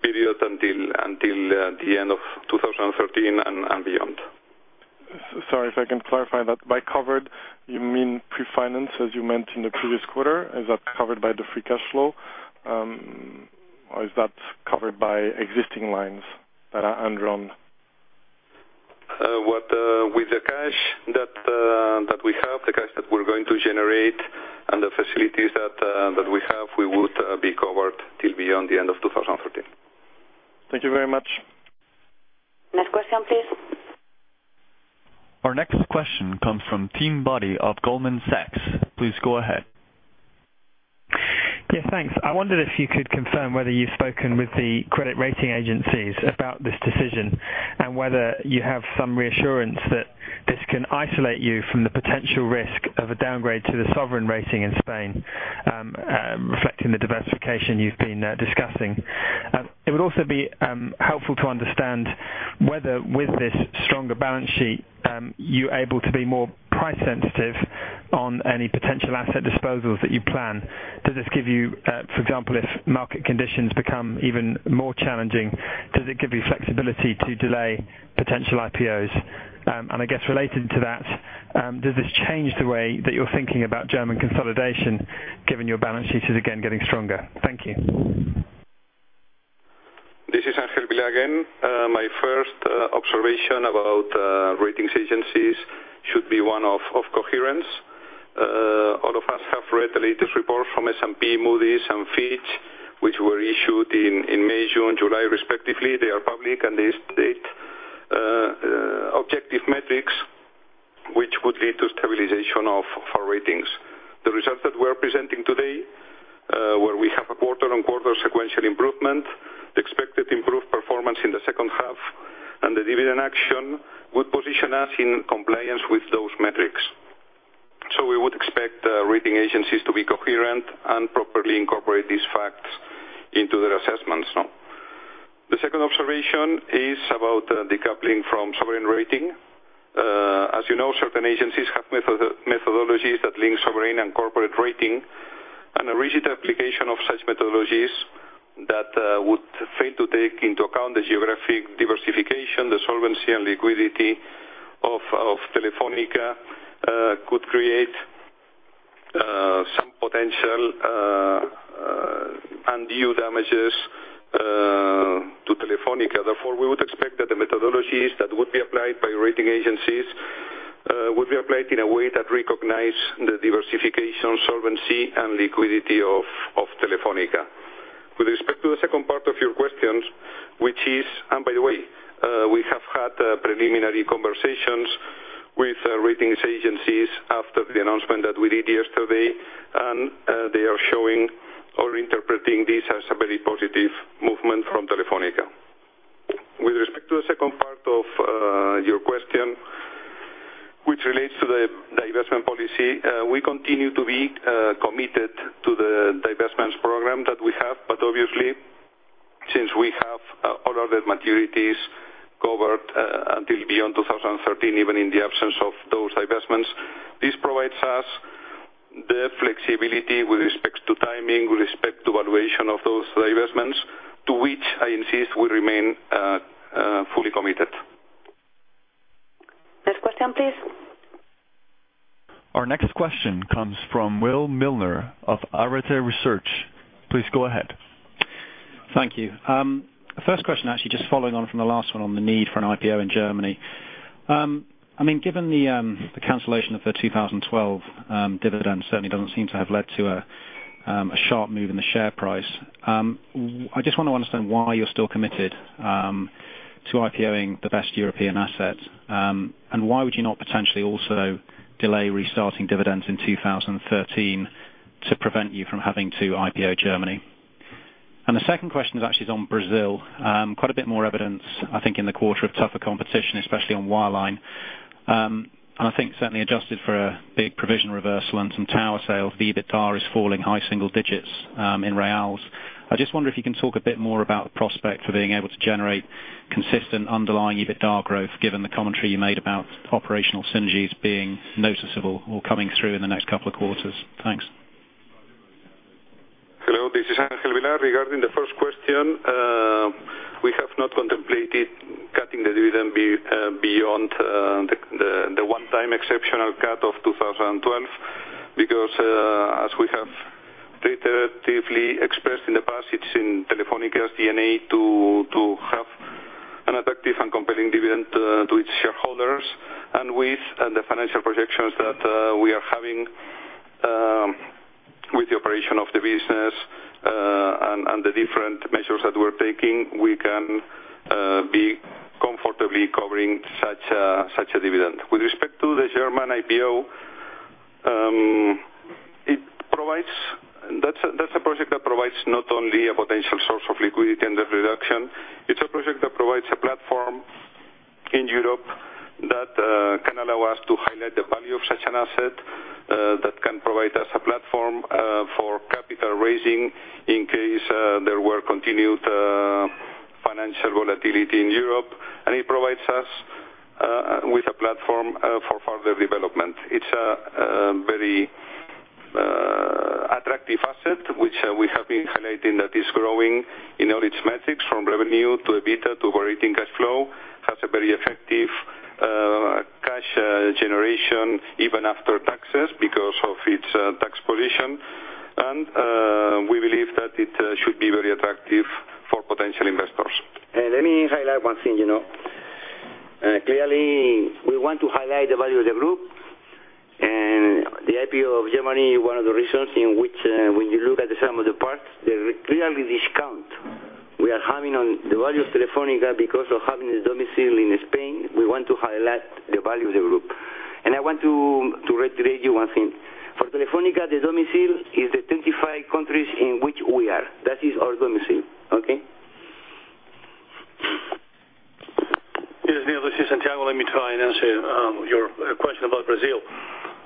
period until the end of 2013 and beyond. Sorry, if I can clarify that. By covered, you mean pre-financed, as you meant in the previous quarter? Is that covered by the free cash flow? Is that covered by existing lines that are undrawn? With the cash that we have, the cash that we're going to generate, and the facilities that we have, we would be covered till beyond the end of 2013. Thank you very much. Next question, please. Our next question comes from Tim Boddy of Goldman Sachs. Please go ahead. Yeah, thanks. I wondered if you could confirm whether you've spoken with the credit rating agencies about this decision, and whether you have some reassurance that this can isolate you from the potential risk of a downgrade to the sovereign rating in Spain, reflecting the diversification you've been discussing. It would also be helpful to understand whether with this stronger balance sheet, you're able to be more price sensitive on any potential asset disposals that you plan. For example, if market conditions become even more challenging, does it give you flexibility to delay potential IPOs? I guess related to that, does this change the way that you're thinking about German consolidation, given your balance sheet is again getting stronger? Thank you. This is Ángel Vilá again. My first observation about ratings agencies should be one of coherence. All of us have read the latest report from S&P, Moody's, and Fitch, which were issued in May, June, July, respectively. They are public, and they state objective metrics, which would lead to stabilization of our ratings. The results that we're presenting today, where we have a quarter-on-quarter sequential improvement, expected improved performance in the second half, and the dividend action would position us in compliance with those metrics. We would expect rating agencies to be coherent and properly incorporate these facts into their assessments. The second observation is about decoupling from sovereign rating. As you know, certain agencies have methodologies that link sovereign and corporate rating, a rigid application of such methodologies that would fail to take into account the geographic diversification, the solvency, and liquidity of Telefónica, could create some potential undue damages to Telefónica. Therefore, we would expect that the methodologies that would be applied by rating agencies would be applied in a way that recognize the diversification, solvency, and liquidity of Telefónica. By the way, we have had preliminary conversations with ratings agencies after the announcement that we did yesterday, and they are showing or interpreting this as a very positive movement from Telefónica. With respect to the second part of your question, which relates to the divestment policy, we continue to be committed to the divestments program that we have. Obviously, since we have all of the maturities covered until beyond 2013, even in the absence of those divestments, this provides us the flexibility with respect to timing, with respect to valuation of those divestments, to which I insist we remain fully committed. Next question, please. Our next question comes from Will Milner of Arete Research. Please go ahead. Thank you. First question, actually, just following on from the last one on the need for an IPO in Germany. Given the cancellation of the 2012 dividend certainly doesn't seem to have led to a sharp move in the share price. I just want to understand why you're still committed to IPO-ing the best European asset, why would you not potentially also delay restarting dividends in 2013 to prevent you from having to IPO Germany? The second question is actually on Brazil. Quite a bit more evidence, I think, in the quarter of tougher competition, especially on wireline. I think certainly adjusted for a big provision reversal and some tower sales, the EBITDA is falling high single digits in BRL. I just wonder if you can talk a bit more about the prospect for being able to generate consistent underlying EBITDA growth, given the commentary you made about operational synergies being noticeable or coming through in the next couple of quarters. Thanks. Hello, this is Ángel Vilá. Regarding the first question, we have not contemplated cutting the dividend beyond the one-time exceptional cut of 2012 because, as we have reiteratively expressed in the past, it's in Telefónica's DNA to have an attractive and compelling dividend to its shareholders. With the financial projections that we are having with the operation of the business, the different measures that we're taking, we can be comfortably covering such a dividend. With respect to the German IPO, that's a project that provides not only a potential source of liquidity and debt reduction, it's a project that provides a platform in Europe that can allow us to highlight the value of such an asset, that can provide us a platform for capital raising in case there were continued financial volatility in Europe, it provides us with a platform for further development. It's a very attractive asset, which we have been highlighting that is growing in all its metrics, from revenue to EBITDA to operating cash flow, has a very effective cash generation even after taxes because of its tax position. We believe that it should be very attractive for potential investors. Let me highlight one thing. Clearly, we want to highlight the value of the group, the IPO of Germany, one of the reasons in which when you look at the sum of the parts, they clearly discount. We are having on the value of Telefónica because of having the domicile in Spain, we want to highlight the value of the group. I want to reiterate you one thing. For Telefónica, the domicile is the 25 countries in which we are. That is our domicile, okay? Yes, this is Santiago. Let me try and answer your question about Brazil.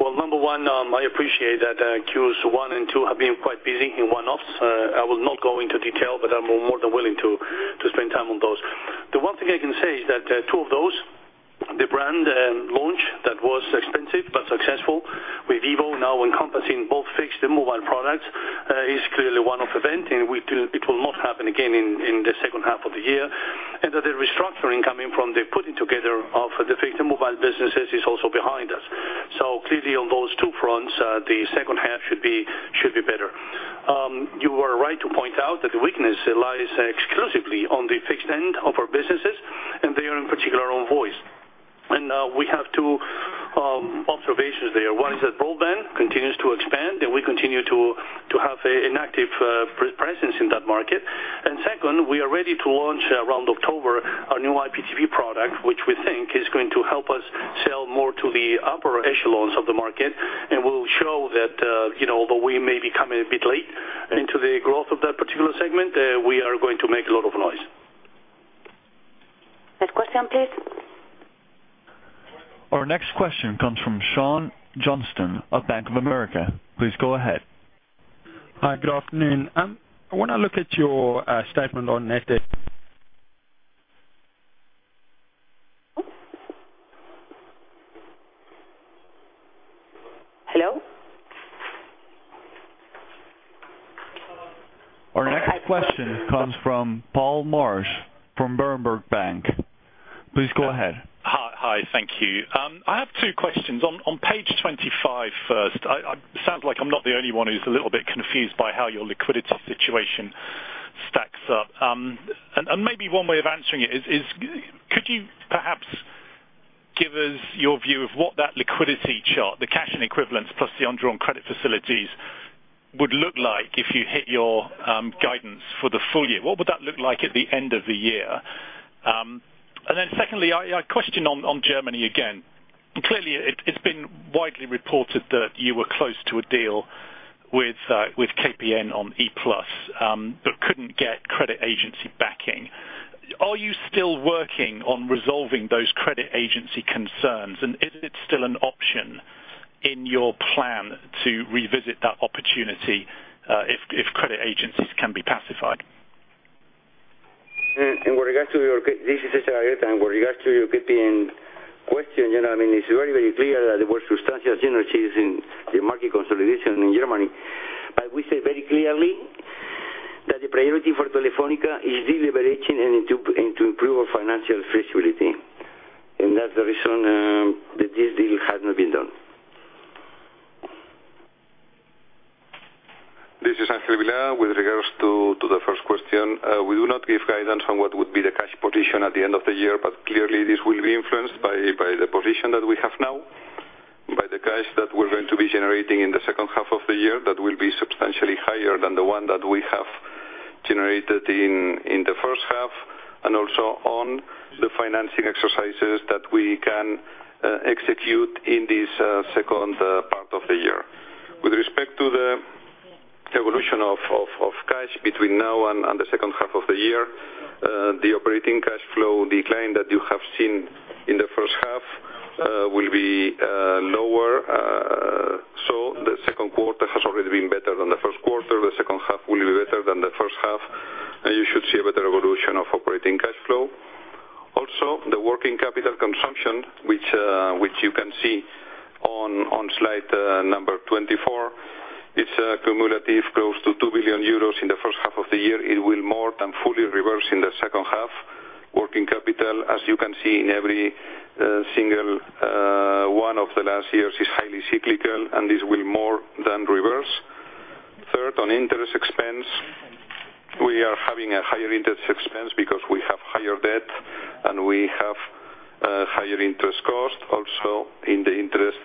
Well, number 1, I appreciate that Qs 1 and 2 have been quite busy in one-offs. I will not go into detail, but I'm more than willing to spend time on those. The one thing I can say is that two of those, the brand launch that was expensive but successful with Vivo now encompassing both fixed and mobile products, is clearly a one-off event, and it will not happen again in the second half of the year. That the restructuring coming from the putting together of the fixed and mobile businesses is also behind us. Clearly on those two fronts, the second half should be better. You are right to point out that the weakness lies exclusively on the fixed end of our businesses, and there in particular on voice. We have two observations there. One is that broadband continues to expand, and we continue to have an active presence in that market. Second, we are ready to launch around October our new IPTV product, which we think is going to help us sell more to the upper echelons of the market and will show that although we may be coming a bit late into the growth of that particular segment, we are going to make a lot of noise. Next question, please. Our next question comes from Sean Johnston of Bank of America. Please go ahead. Hi, good afternoon. When I look at your statement on net debt Hello? Our next question comes from Paul Marsh from Berenberg Bank. Please go ahead. Hi. Thank you. I have two questions. On page 25, first, it sounds like I'm not the only one who's a little bit confused by how your liquidity situation stacks up. Maybe one way of answering it is, could you perhaps give us your view of what that liquidity chart, the cash and equivalents plus the undrawn credit facilities, would look like if you hit your guidance for the full year? What would that look like at the end of the year? Secondly, a question on Germany again. Clearly, it's been widely reported that you were close to a deal with KPN on E-Plus, but couldn't get credit agency backing. Are you still working on resolving those credit agency concerns? Is it still an option in your plan to revisit that opportunity if credit agencies can be pacified? This is César Alierta. With regards to your KPN question, it's very, very clear that there were substantial changes in the market consolidation in Germany. We say very clearly that the priority for Telefónica is de-leveraging and to improve our financial flexibility. That's the reason that this deal has not been done. This is Ángel Vilá. With regards to the first question, we do not give guidance on what would be the cash position at the end of the year. Clearly, this will be influenced by the position that we have now, by the cash that we're going to be generating in the second half of the year that will be substantially higher than the one that we have generated in the first half, also on the financing exercises that we can execute in this second part of the year. With respect to the evolution of cash between now and the second half of the year, the operating cash flow decline that you have seen in the first half will be lower. The second quarter has already been better than the first quarter. The second half will be better than the first half. You should see a better evolution of operating cash flow. Also, the working capital consumption, which you can see on slide 24, it's cumulative close to 2 billion euros in the first half of the year. It will more than fully reverse in the second half. Working capital, as you can see in every single one of the last years, is highly cyclical. This will more than reverse. Third, on interest expense, we are having a higher interest expense because we have higher debt. We have higher interest cost also in the interest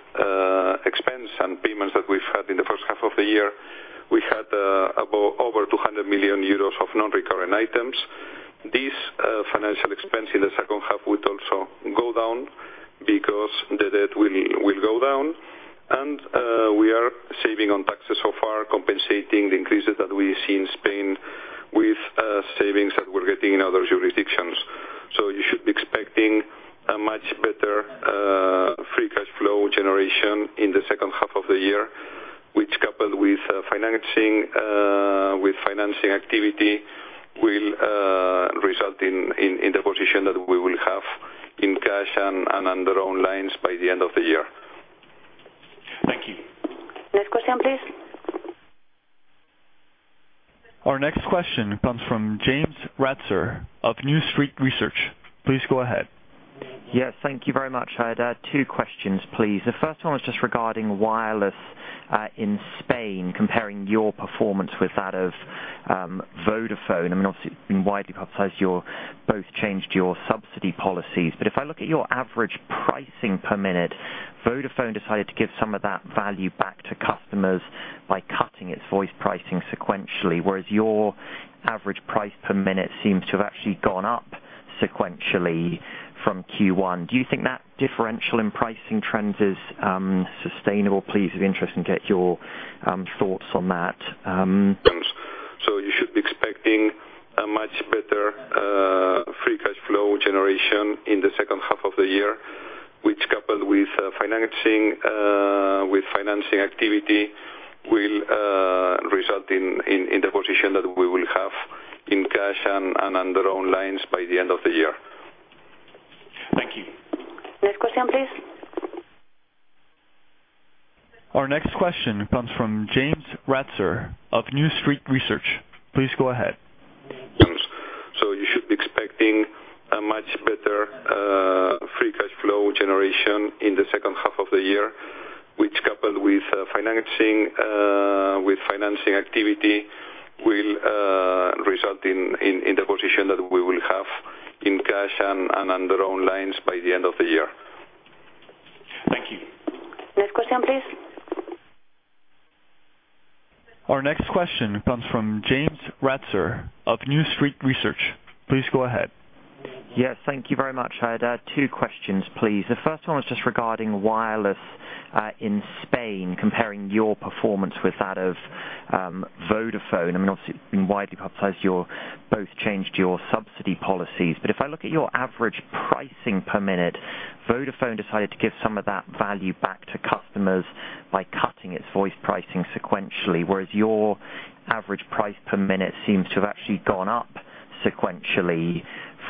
expense and payments that we've had in the first half of the year. We had over 200 million euros of non-recurring items. This financial expense in the second half would also go down because the debt will go down. We are saving on taxes so far, compensating the increases that we see in Spain with savings that we are getting in other jurisdictions. You should be expecting a much better free cash flow generation in the second half of the year, which coupled with financing activity, will result in the position that Yes. Thank you very much. I had two questions, please. The first one was just regarding wireless in Spain, comparing your performance with that of Vodafone. Obviously, it's been widely publicized, you both changed your subsidy policies. If I look at your average pricing per minute, Vodafone decided to give some of that value back to customers by cutting its voice pricing sequentially, whereas your average price per minute seems to have actually gone up sequentially from Q1. Do you think that differential in pricing trends is sustainable? Please, it would be interesting to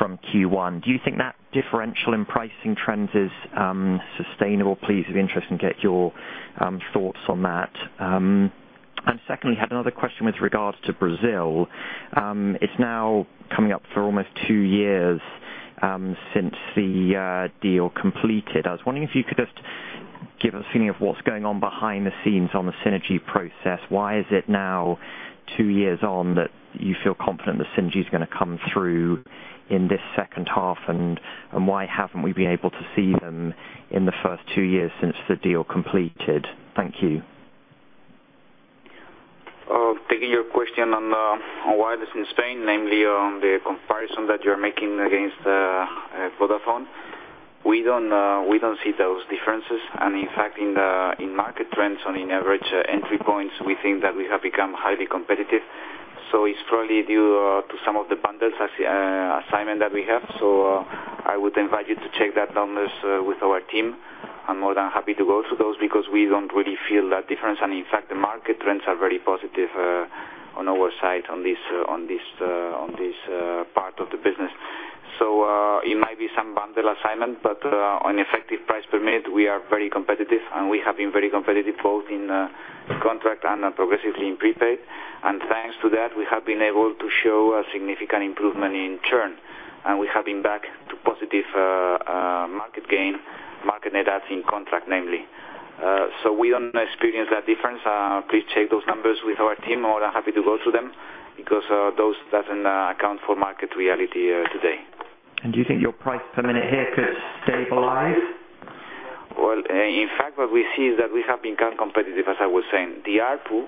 get your thoughts on that. Secondly, had another question with regards to Brazil. It's now coming up for almost two years since the deal completed. I was wondering if you could just give us a feeling of what's going on behind the scenes on the synergy process. Why is it now, two years on, that you feel confident the synergy is going to come through in this second half? Why haven't we been able to see them in the first two years since the deal completed? Thank you. Taking your question on wireless in Spain, namely on the comparison that you're making against Vodafone. We don't see those differences. In fact, in market trends and in average entry points, we think that we have become highly competitive. It's probably due to some of the bundles assignment that we have. I would invite you to check that numbers with our team. I'm more than happy to go through those because we don't really feel that difference. In fact, the market trends are very positive on our side on this part of the business. It might be some bundle assignment, but on effective price per minute, we are very competitive, and we have been very competitive both in contract and progressively in prepaid. Thanks to that, we have been able to show a significant improvement in churn, and we have been back to positive market gain, market net adds in contract namely. We do not experience that difference. Please check those numbers with our team. More than happy to go through them because those doesn't account for market reality today. Do you think your price per minute here could stabilize? Well, in fact, what we see is that we have become competitive, as I was saying. The ARPU,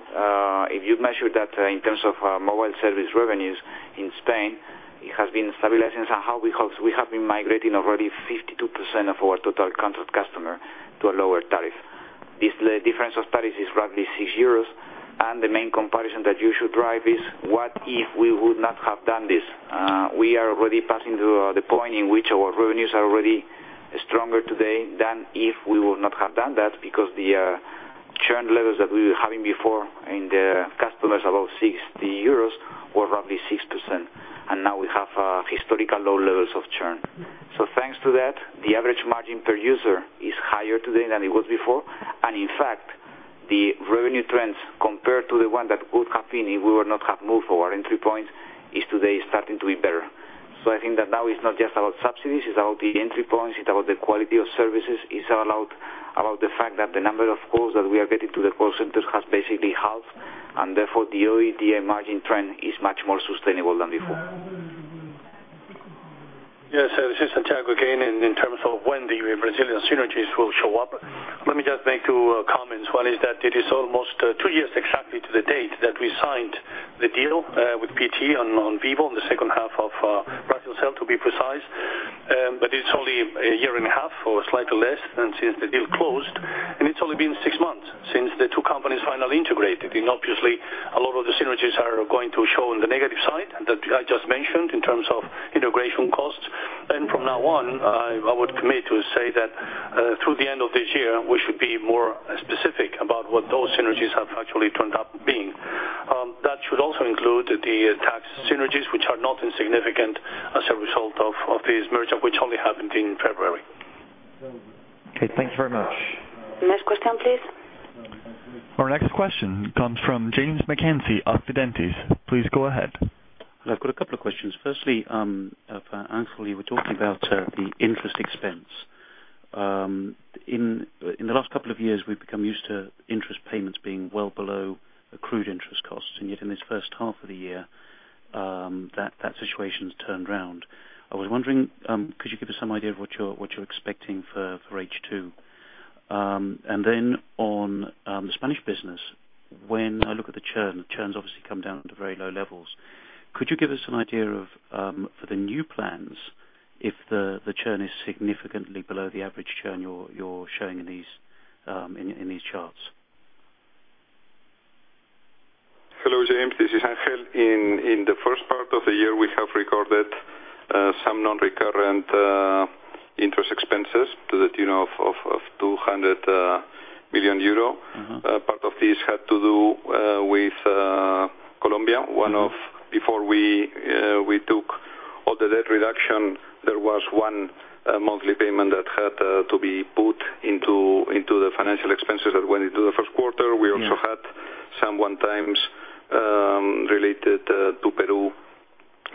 if you measure that in terms of mobile service revenues in Spain, it has been stabilizing somehow because we have been migrating already 52% of our total contract customer to a lower tariff. The difference of tariff is roughly 6 euros. The main comparison that you should drive is, what if we would not have done this? We are already passing through the point in which our revenues are already stronger today than if we would not have done that, because the churn levels that we were having before in the customers above 60 euros were roughly 6%. Now we have historical low levels of churn. Thanks to that, the average margin per user is higher today than it was before. In fact, the revenue trends compared to the one that would have been if we would not have moved our entry points is today starting to be better. I think that now it's not just about subsidies, it's about the entry points, it's about the quality of services. It's about the fact that the number of calls that we are getting to the call centers has basically halved, and therefore the OIBDA margin trend is much more sustainable than before. Yes, this is Santiago again. In terms of when the Brazilian synergies will show up, let me just make 2 comments. One is that it is almost 2 years exactly to the date that we signed the deal with PT on Vivo, in the second half of Brasilcel, to be precise. It's only 1 and a half years or slightly less than since the deal closed, and it's only been 6 months since the 2 companies finally integrated. Obviously, a lot of the synergies are going to show on the negative side that I just mentioned in terms of integration costs. From now on, I would commit to say that through the end of this year, we should be more specific about what those synergies have actually turned up being. That should also include the tax synergies, which are not insignificant as a result of this merger, which only happened in February. Okay. Thank you very much. Next question, please. Our next question comes from James McKenzie of Fidentiis. Please go ahead. I've got a couple of questions. Firstly, for Ángel, you were talking about the interest expense. In the last couple of years, we've become used to interest payments being well below accrued interest costs, and yet in this first half of the year, that situation's turned around. I was wondering, could you give us some idea of what you're expecting for H2? On the Spanish business, when I look at the churn's obviously come down to very low levels. Could you give us an idea of, for the new plans, if the churn is significantly below the average churn you're showing in these charts? Hello, James, this is Ángel. In the first part of the year, we have recorded some non-recurrent interest expenses to the tune of 200 million euro. Part of this had to do with Colombia. Before we took all the debt reduction, there was one monthly payment that had to be put into the financial expenses that went into the first quarter. We also had some one-times related to Peru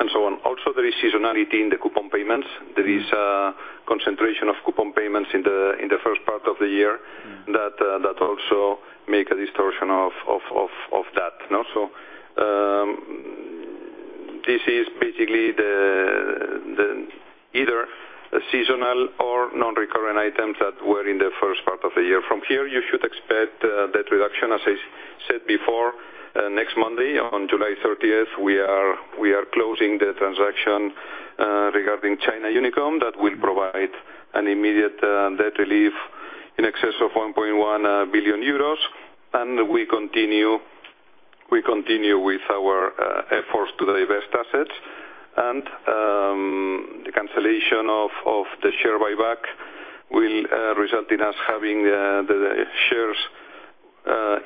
and so on. Also, there is seasonality in the coupon payments. There is a concentration of coupon payments in the first part of the year that also make a distortion of that. This is basically either a seasonal or non-recurrent items that were in the first part of the year. From here, you should expect debt reduction. As I said before, next Monday on July 30th, we are closing the transaction regarding China Unicom. That will provide an immediate debt relief in excess of 1.1 billion euros. We continue with our efforts to divest assets, and the cancellation of the share buyback will result in us having the shares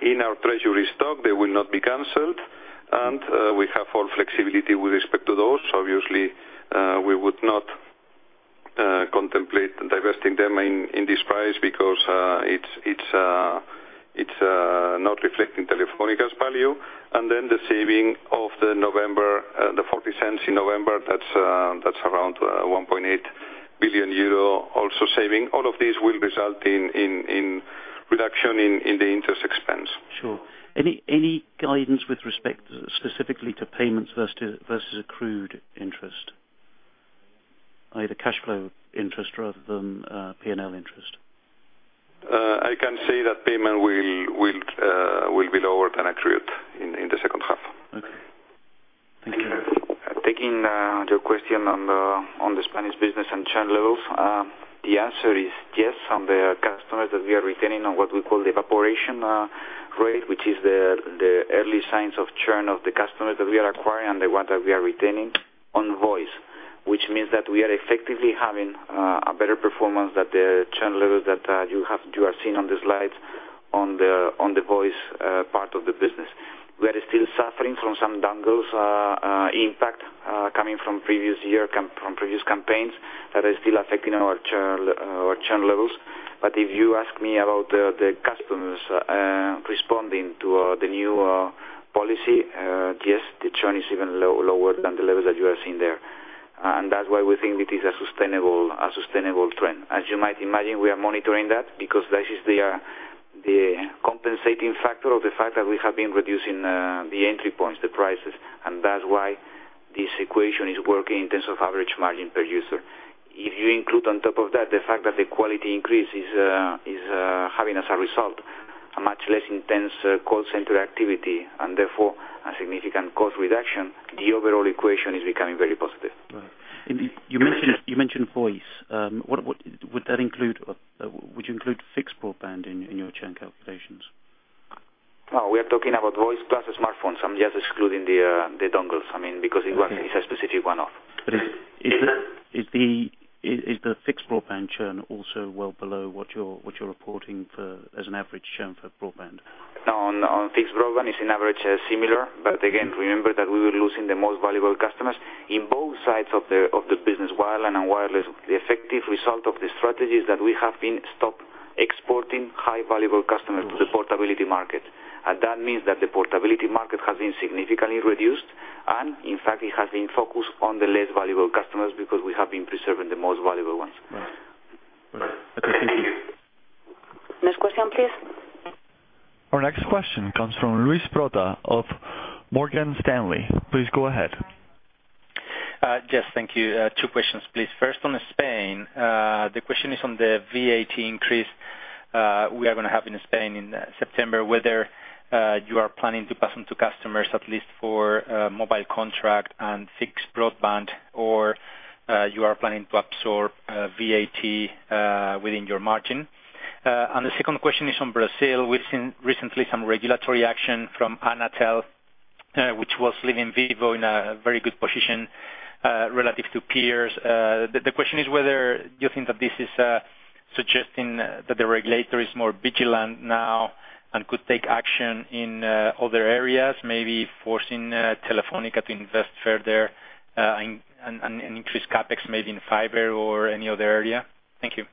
in our treasury stock. They will not be canceled. We have full flexibility with respect to those. Obviously, we would not contemplate divesting them in this price because it's not reflecting Telefónica's value. The saving of the 0.40 in November, that's around 1.8 billion euro also saving. All of these will result in reduction in the interest expense. Sure. Any guidance with respect specifically to payments versus accrued interest, either cash flow interest rather than P&L interest? I can say that payment will be lower than accrued in the second half. Okay. Thank you. Taking your question on the Spanish business and churn levels. The answer is yes, on the customers that we are retaining on what we call the evaporation rate, which is the early signs of churn of the customers that we are acquiring and the ones that we are retaining on voice. Which means that we are effectively having a better performance at the churn levels that you are seeing on the slides on the voice part of the business. We are still suffering from some dongles impact coming from previous year, from previous campaigns that are still affecting our churn levels. If you ask me about the customers responding to the new policy, yes, the churn is even lower than the levels that you are seeing there. That's why we think it is a sustainable trend. As you might imagine, we are monitoring that because that is the compensating factor of the fact that we have been reducing the entry points, the prices, and that's why this equation is working in terms of average margin per user. If you include on top of that, the fact that the quality increase is having as a result, a much less intense call center activity and therefore a significant cost reduction. The overall equation is becoming very positive. Right. You mentioned voice. Would you include fixed broadband in your churn calculations? No, we are talking about voice plus smartphones. I'm just excluding the dongles, because it's a specific one-off. Is the fixed broadband churn also well below what you're reporting as an average churn for broadband? No, on fixed broadband it's an average similar. Again, remember that we were losing the most valuable customers in both sides of the business, wireline and wireless. The effective result of the strategy is that we have been stop exporting high valuable customers to the portability market. That means that the portability market has been significantly reduced, and in fact, it has been focused on the less valuable customers because we have been preserving the most valuable ones. Right. Okay. Next question, please. Our next question comes from Luis Prota of Morgan Stanley. Please go ahead. Yes, thank you. Two questions, please. First, on Spain. The question is on the VAT increase we are going to have in Spain in September, whether you are planning to pass on to customers at least for mobile contract and fixed broadband, or you are planning to absorb VAT within your margin. The second question is on Brazil. We've seen recently some regulatory action from Anatel, which was leaving Vivo in a very good position relative to peers. The question is whether you think that this is suggesting that the regulator is more vigilant now and could take action in other areas, maybe forcing Telefónica to invest further and increase CapEx maybe in fiber or any other area? Thank you.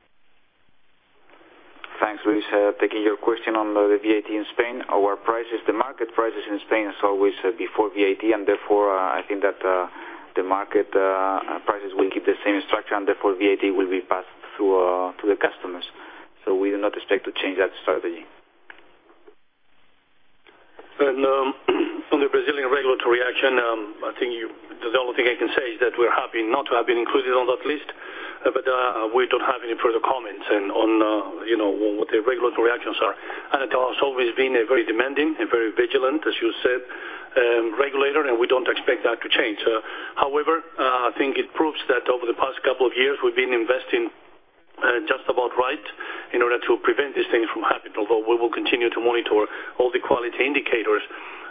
Thanks, Luis. Taking your question on the VAT in Spain. Our prices, the market prices in Spain is always before VAT, and therefore I think that the market prices will keep the same structure, and therefore VAT will be passed through to the customers. We do not expect to change that strategy. On the Brazilian regulatory action, I think the only thing I can say is that we're happy not to have been included on that list, but we don't have any further comments on what the regulatory actions are. Anatel has always been a very demanding and very vigilant, as you said, regulator, and we don't expect that to change. However, I think it proves that over the past couple of years, we've been investing just about right, in order to prevent these things from happening. Although we will continue to monitor all the quality indicators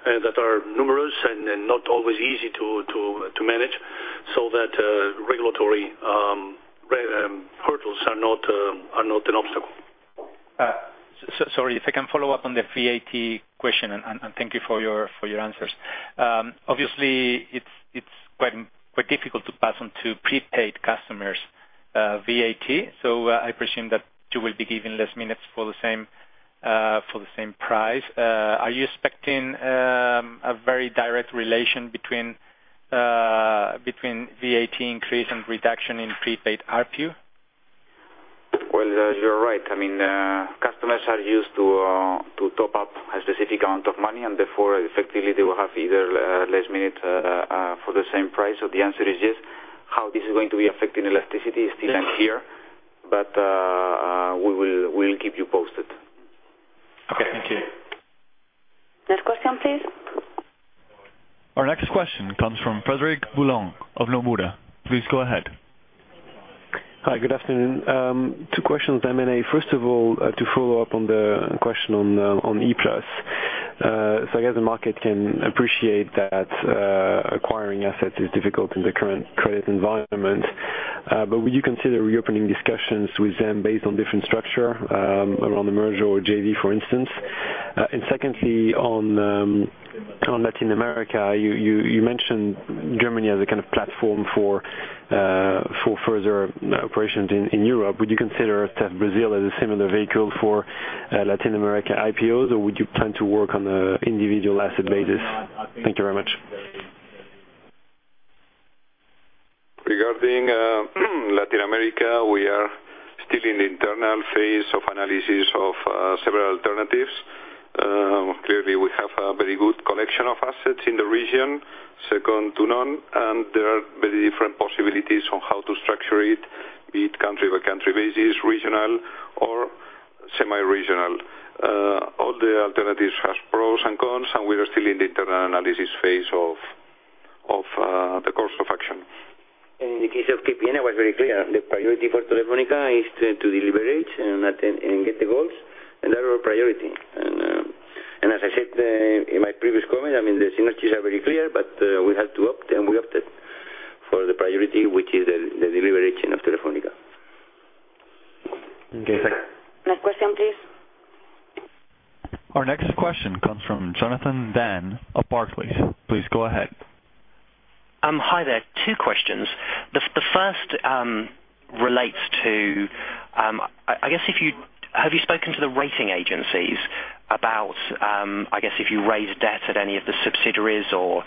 that are numerous and not always easy to manage, so that regulatory hurdles are not an obstacle. Sorry, if I can follow up on the VAT question, and thank you for your answers. Obviously, it's quite difficult to pass on to prepaid customers VAT, I presume that you will be giving less minutes for the same price. Are you expecting a very direct relation between VAT increase and reduction in prepaid ARPU? Well, you're right. Customers are used to top up a specific amount of money. Therefore, effectively, they will have either less minutes for the same price or the answer is yes. How this is going to be affecting elasticity is still unclear, we will keep you posted. Okay, thank you. Next question, please. Our next question comes from Frederic Boulan of Nomura. Please go ahead. Hi, good afternoon. Two questions, M&A. First of all, to follow up on the question on E-Plus. I guess the market can appreciate that acquiring assets is difficult in the current credit environment. Would you consider reopening discussions with them based on different structure around the merger or JV, for instance? Secondly, on Latin America, you mentioned Germany as a kind of platform for further operations in Europe. Would you consider Brazil as a similar vehicle for Latin America IPOs, or would you plan to work on an individual asset basis? Thank you very much. Regarding Latin America, we are still in the internal phase of analysis of several alternatives. Clearly, we have a very good collection of assets in the region, second to none, and there are very different possibilities on how to structure it, be it country-by-country basis, regional or semi-regional. All the alternatives have pros and cons, and we are still in the internal analysis phase of the course of action. In the case of KPN, it was very clear. The priority for Telefónica is to de-leverage and get the goals, and they are our priority. As I said in my previous comment, the synergies are very clear, but we have to opt, and we opted for the priority, which is the de-leveraging of Telefónica. Okay, thank you. Next question, please. Our next question comes from Jonathan Dann of Barclays. Please go ahead. Hi there. Two questions. The first relates to, have you spoken to the rating agencies about, if you raise debt at any of the subsidiaries? Are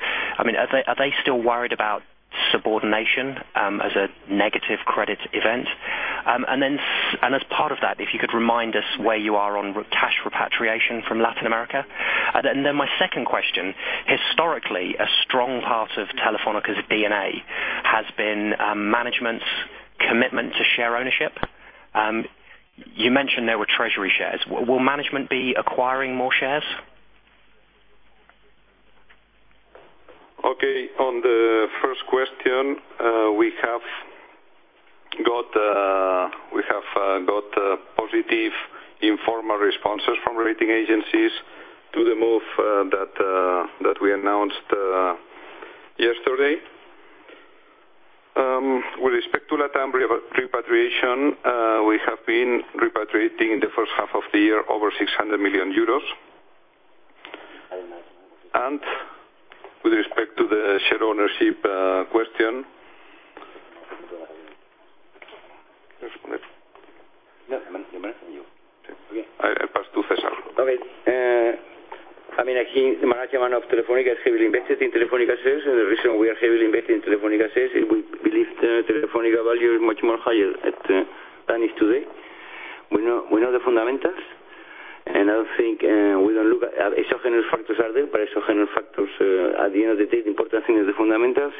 they still worried about subordination as a negative credit event? As part of that, if you could remind us where you are on cash repatriation from Latin America? My second question, historically, a strong part of Telefónica's DNA has been management's commitment to share ownership. You mentioned there were treasury shares. Will management be acquiring more shares? Okay, on the first question, we have got positive informal responses from rating agencies to the move that we announced yesterday. With respect to LatAm repatriation, we have been repatriating in the first half of the year over 600 million euros. With respect to the share ownership question, I pass to César. Okay. Management of Telefónica is heavily invested in Telefónica shares. The reason we are heavily invested in Telefónica shares is we believe Telefónica value is much more higher than it is today. We know the fundamentals. I don't think we're going to look at exogenous factors are there, but exogenous factors at the end of the day, the important thing is the fundamentals,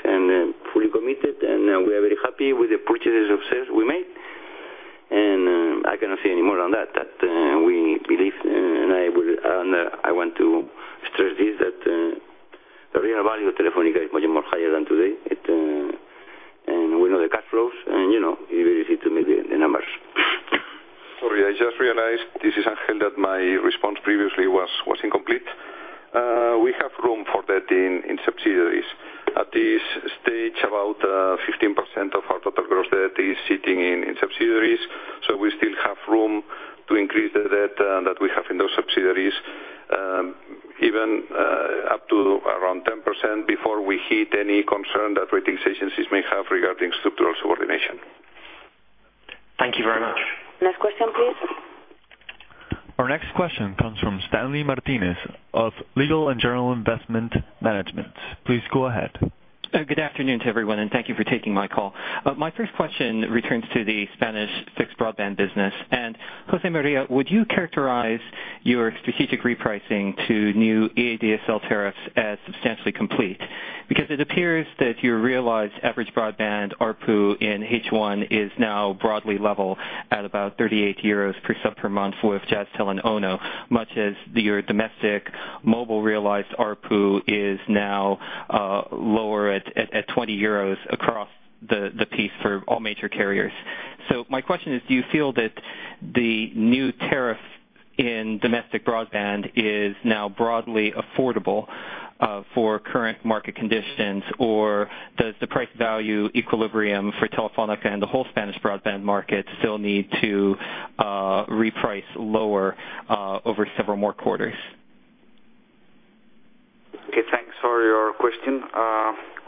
fully committed, and we are very happy with the purchases of shares we made. I cannot say any more on that we believe, I want to stress this, that the real value of Telefónica is much more higher than today. We know the cash flows, and you know, it's very easy to meet the numbers. Sorry, I just realized, this is Ángel, that my response previously was incomplete. We have room for debt in subsidiaries. At this stage, about 15% of our total gross debt is sitting in subsidiaries. We still have room to increase the debt that we have in those subsidiaries, even up to around 10% before we hit any concern that ratings agencies may have regarding structural subordination. Thank you very much. Next question, please. Our next question comes from Stanley Martinez of Legal & General Investment Management. Please go ahead. Good afternoon to everyone, and thank you for taking my call. My first question returns to the Spanish fixed broadband business. José María, would you characterize your strategic repricing to new ADSL tariffs as substantially complete? Because it appears that your realized average broadband ARPU in H1 is now broadly level at about 38 euros per sub per month with Jazztel and Ono, much as your domestic mobile realized ARPU is now lower at 20 euros across the piece for all major carriers. My question is, do you feel that the new tariff in domestic broadband is now broadly affordable for current market conditions, or does the price value equilibrium for Telefónica and the whole Spanish broadband market still need to reprice lower over several more quarters? Okay, thanks for your question.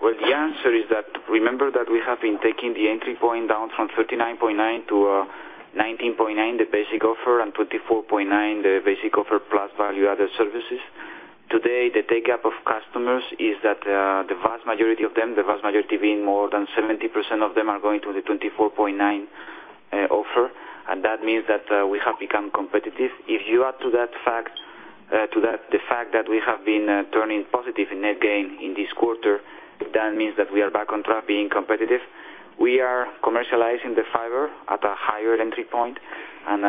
Well, the answer is that, remember that we have been taking the entry point down from 39.9 to 19.9, the basic offer, and 24.9, the basic offer plus value-added services. Today, the take-up of customers is that the vast majority of them, the vast majority being more than 70% of them, are going to the 24.9 offer, and that means that we have become competitive. If you add to the fact that we have been turning positive in net gain in this quarter, that means that we are back on track being competitive. We are commercializing the fiber at a higher entry point. As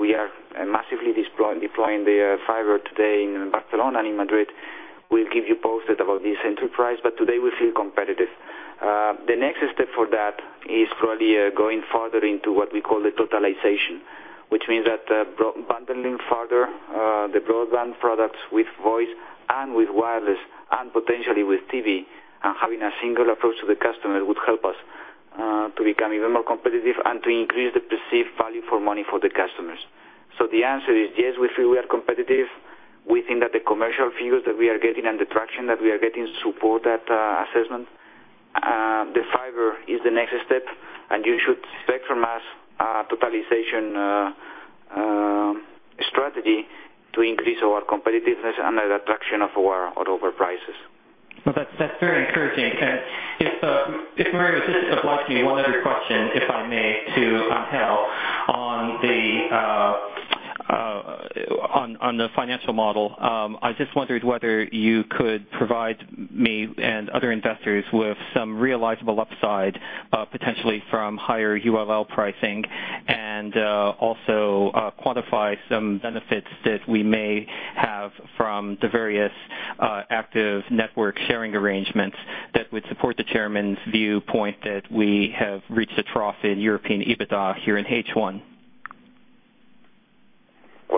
we are massively deploying the fiber today in Barcelona and in Madrid, we'll keep you posted about this enterprise, but today we feel competitive. The next step for that is probably going further into what we call the totalization, which means that bundling further the broadband products with voice and with wireless and potentially with TV and having a single approach to the customer would help us to become even more competitive and to increase the perceived value for money for the customers. The answer is, yes, we feel we are competitive. We think that the commercial views that we are getting and the traction that we are getting support that assessment. The fiber is the next step. You should expect from us a totalization strategy to increase our competitiveness and the traction of our prices. Well, that's very encouraging. If María would just allow me one other question, if I may, to Ángel on the financial model. I just wondered whether you could provide me and other investors with some realizable upside, potentially from higher ULL pricing, and also quantify some benefits that we may have from the various active network sharing arrangements that would support the chairman's viewpoint that we have reached a trough in European EBITDA here in H1.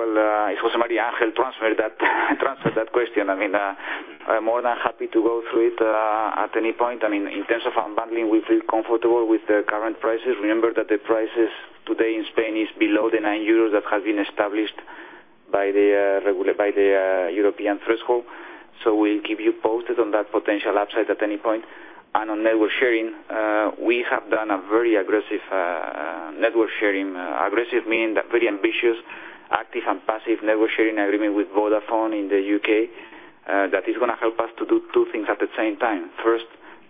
Well, if it was María, Ángel transferred that question. I'm more than happy to go through it at any point. In terms of unbundling, we feel comfortable with the current prices. Remember that the prices today in Spain is below the 9 euros that has been established by the European threshold. We'll keep you posted on that potential upside at any point. On network sharing, we have done a very aggressive network sharing, aggressive meaning that very ambitious, active, and passive network sharing agreement with Vodafone in the U.K. That is going to help us to do two things at the same time. First,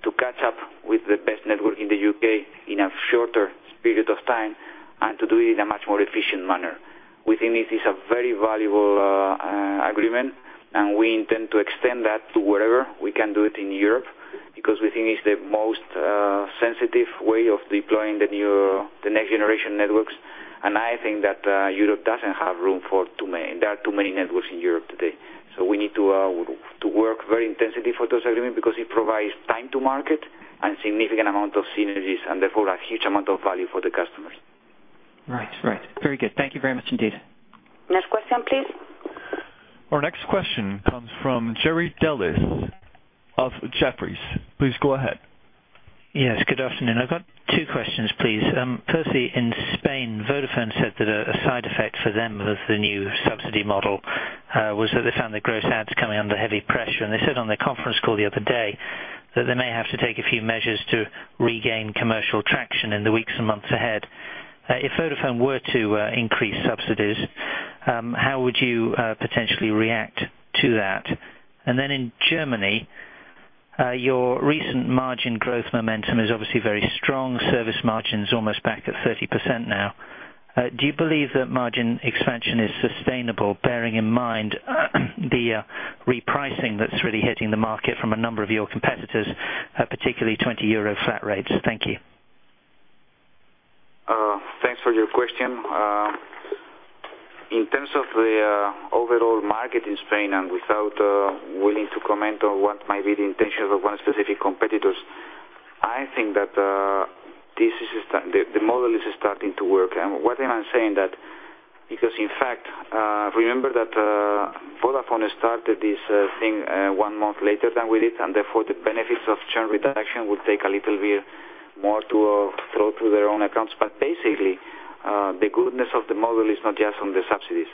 to catch up with the best network in the U.K. in a shorter period of time and to do it in a much more efficient manner. We think this is a very valuable agreement. We intend to extend that to wherever we can do it in Europe, because we think it's the most sensitive way of deploying the next generation networks. I think that Europe doesn't have room for too many. There are too many networks in Europe today. We need to work very intensively for those agreements because it provides time to market and significant amount of synergies, and therefore a huge amount of value for the customers. Right. Very good. Thank you very much indeed. Next question, please. Our next question comes from Jerry Dellis of Jefferies. Please go ahead. Yes, good afternoon. I've got two questions, please. Firstly, in Spain, Vodafone said that a side effect for them of the new subsidy model was that they found their gross adds coming under heavy pressure, and they said on their conference call the other day that they may have to take a few measures to regain commercial traction in the weeks and months ahead. If Vodafone were to increase subsidies, how would you potentially react to that? In Germany, your recent margin growth momentum is obviously very strong. Service margin's almost back at 30% now. Do you believe that margin expansion is sustainable, bearing in mind the repricing that's really hitting the market from a number of your competitors, particularly 20 euro flat rates? Thank you. Thanks for your question. In terms of the overall market in Spain, without willing to comment on what might be the intentions of one specific competitor, I think that the model is starting to work. What am I saying that because, in fact, remember that Vodafone started this thing one month later than we did, therefore, the benefits of churn reduction will take a little bit more to flow through their own accounts. Basically, the goodness of the model is not just on the subsidies.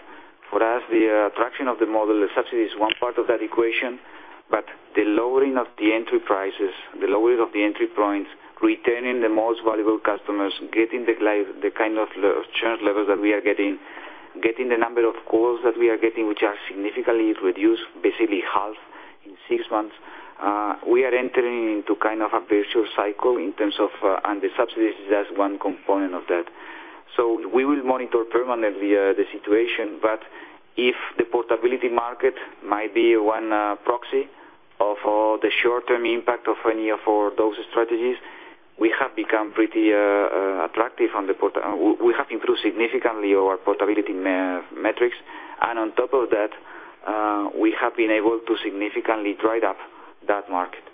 For us, the attraction of the model, the subsidy is one part of that equation, but the lowering of the entry prices, the lowering of the entry points, retaining the most valuable customers, getting the kind of churn levels that we are getting the number of calls that we are getting, which are significantly reduced, basically half in six months. We are entering into a virtuous cycle, the subsidy is just one component of that. We will monitor permanently the situation, if the portability market might be one proxy of the short-term impact of any of those strategies, we have become pretty attractive. We have improved significantly our portability metrics. On top of that We have been able to significantly drive up that market.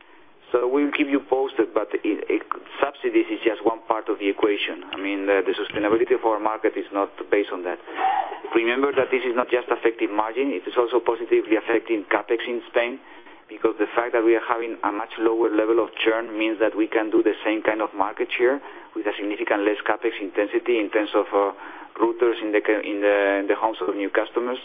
We'll keep you posted, subsidies is just one part of the equation. I mean, the sustainability for our market is not based on that. Remember that this is not just affecting margin, it is also positively affecting CapEx in Spain, because the fact that we are having a much lower level of churn means that we can do the same kind of market share with a significantly less CapEx intensity in terms of routers in the homes of new customers.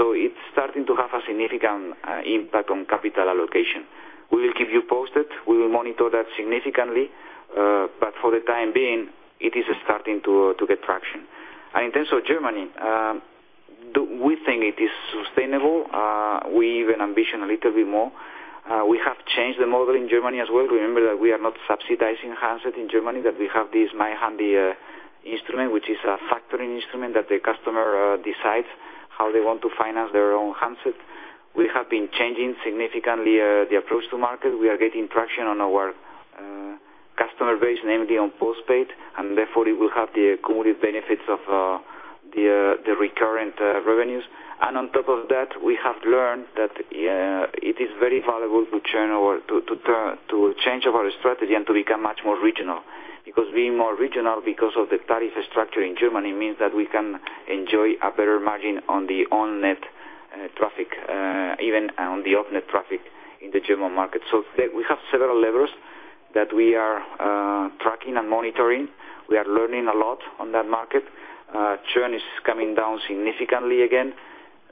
It's starting to have a significant impact on capital allocation. We will keep you posted. We will monitor that significantly. For the time being, it is starting to get traction. In terms of Germany, we think it is sustainable. We even ambition a little bit more. We have changed the model in Germany as well. Remember that we are not subsidizing handset in Germany, that we have this MyHandy instrument, which is a factoring instrument that the customer decides how they want to finance their own handset. We have been changing significantly the approach to market. We are getting traction on our customer base, namely on postpaid, therefore it will have the cumulative benefits of the recurrent revenues. On top of that, we have learned that it is very valuable to change our strategy and to become much more regional. Being more regional because of the tariff structure in Germany means that we can enjoy a better margin on the on-net traffic, even on the off-net traffic in the German market. We have several levers that we are tracking and monitoring. We are learning a lot on that market. Churn is coming down significantly again.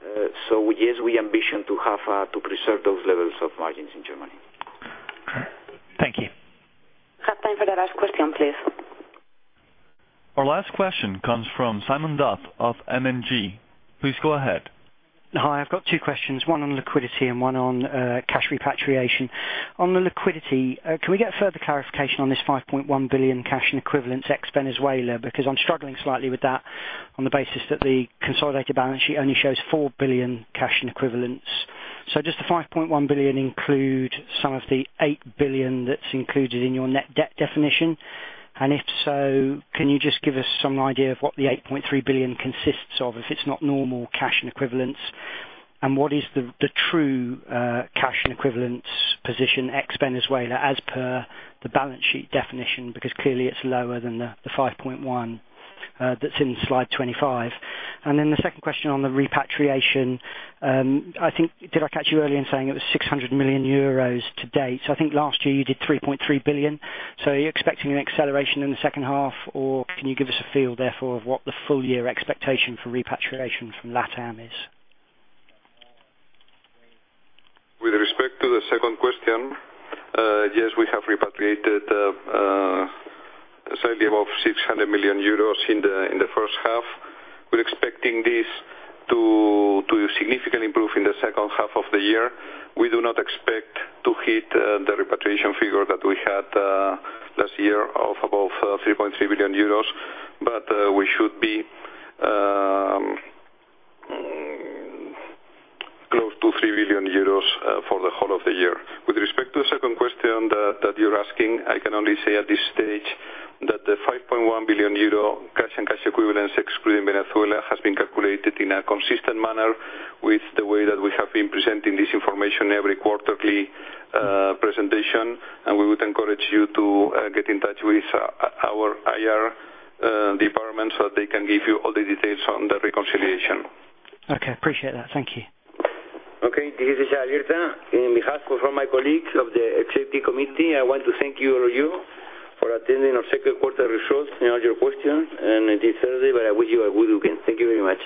Yes, we ambition to preserve those levels of margins in Germany. Thank you. We have time for the last question, please. Our last question comes from Simon Dodd of M&G. Please go ahead. Hi, I've got two questions, one on liquidity and one on cash repatriation. On the liquidity, can we get further clarification on this 5.1 billion cash and equivalents ex Venezuela, because I'm struggling slightly with that on the basis that the consolidated balance sheet only shows 4 billion cash and equivalents. Does the 5.1 billion include some of the 8 billion that's included in your net debt definition? If so, can you just give us some idea of what the 8.3 billion consists of, if it's not normal cash and equivalents? What is the true cash and equivalents position ex Venezuela as per the balance sheet definition? Clearly it's lower than the 5.1 that's in slide 25. The second question on the repatriation, did I catch you earlier in saying it was 600 million euros to date? I think last year you did 3.3 billion. Are you expecting an acceleration in the second half, or can you give us a feel therefore of what the full year expectation for repatriation from LATAM is? With respect to the second question, yes, we have repatriated slightly above 600 million euros in the first half. We're expecting this to significantly improve in the second half of the year. We do not expect to hit the repatriation figure that we had last year of above 3.3 billion euros, but we should be close to 3 billion euros for the whole of the year. With respect to the second question that you're asking, I can only say at this stage that the 5.1 billion euro cash and cash equivalents excluding Venezuela has been calculated in a consistent manner with the way that we have been presenting this information every quarterly presentation. We would encourage you to get in touch with our IR department so that they can give you all the details on the reconciliation. Appreciate that. Thank you. This is José Alberto. In behalf of all my colleagues of the executive committee, I want to thank you all of you for attending our second quarter results and all your questions. It is Thursday, but I wish you a good weekend. Thank you very much.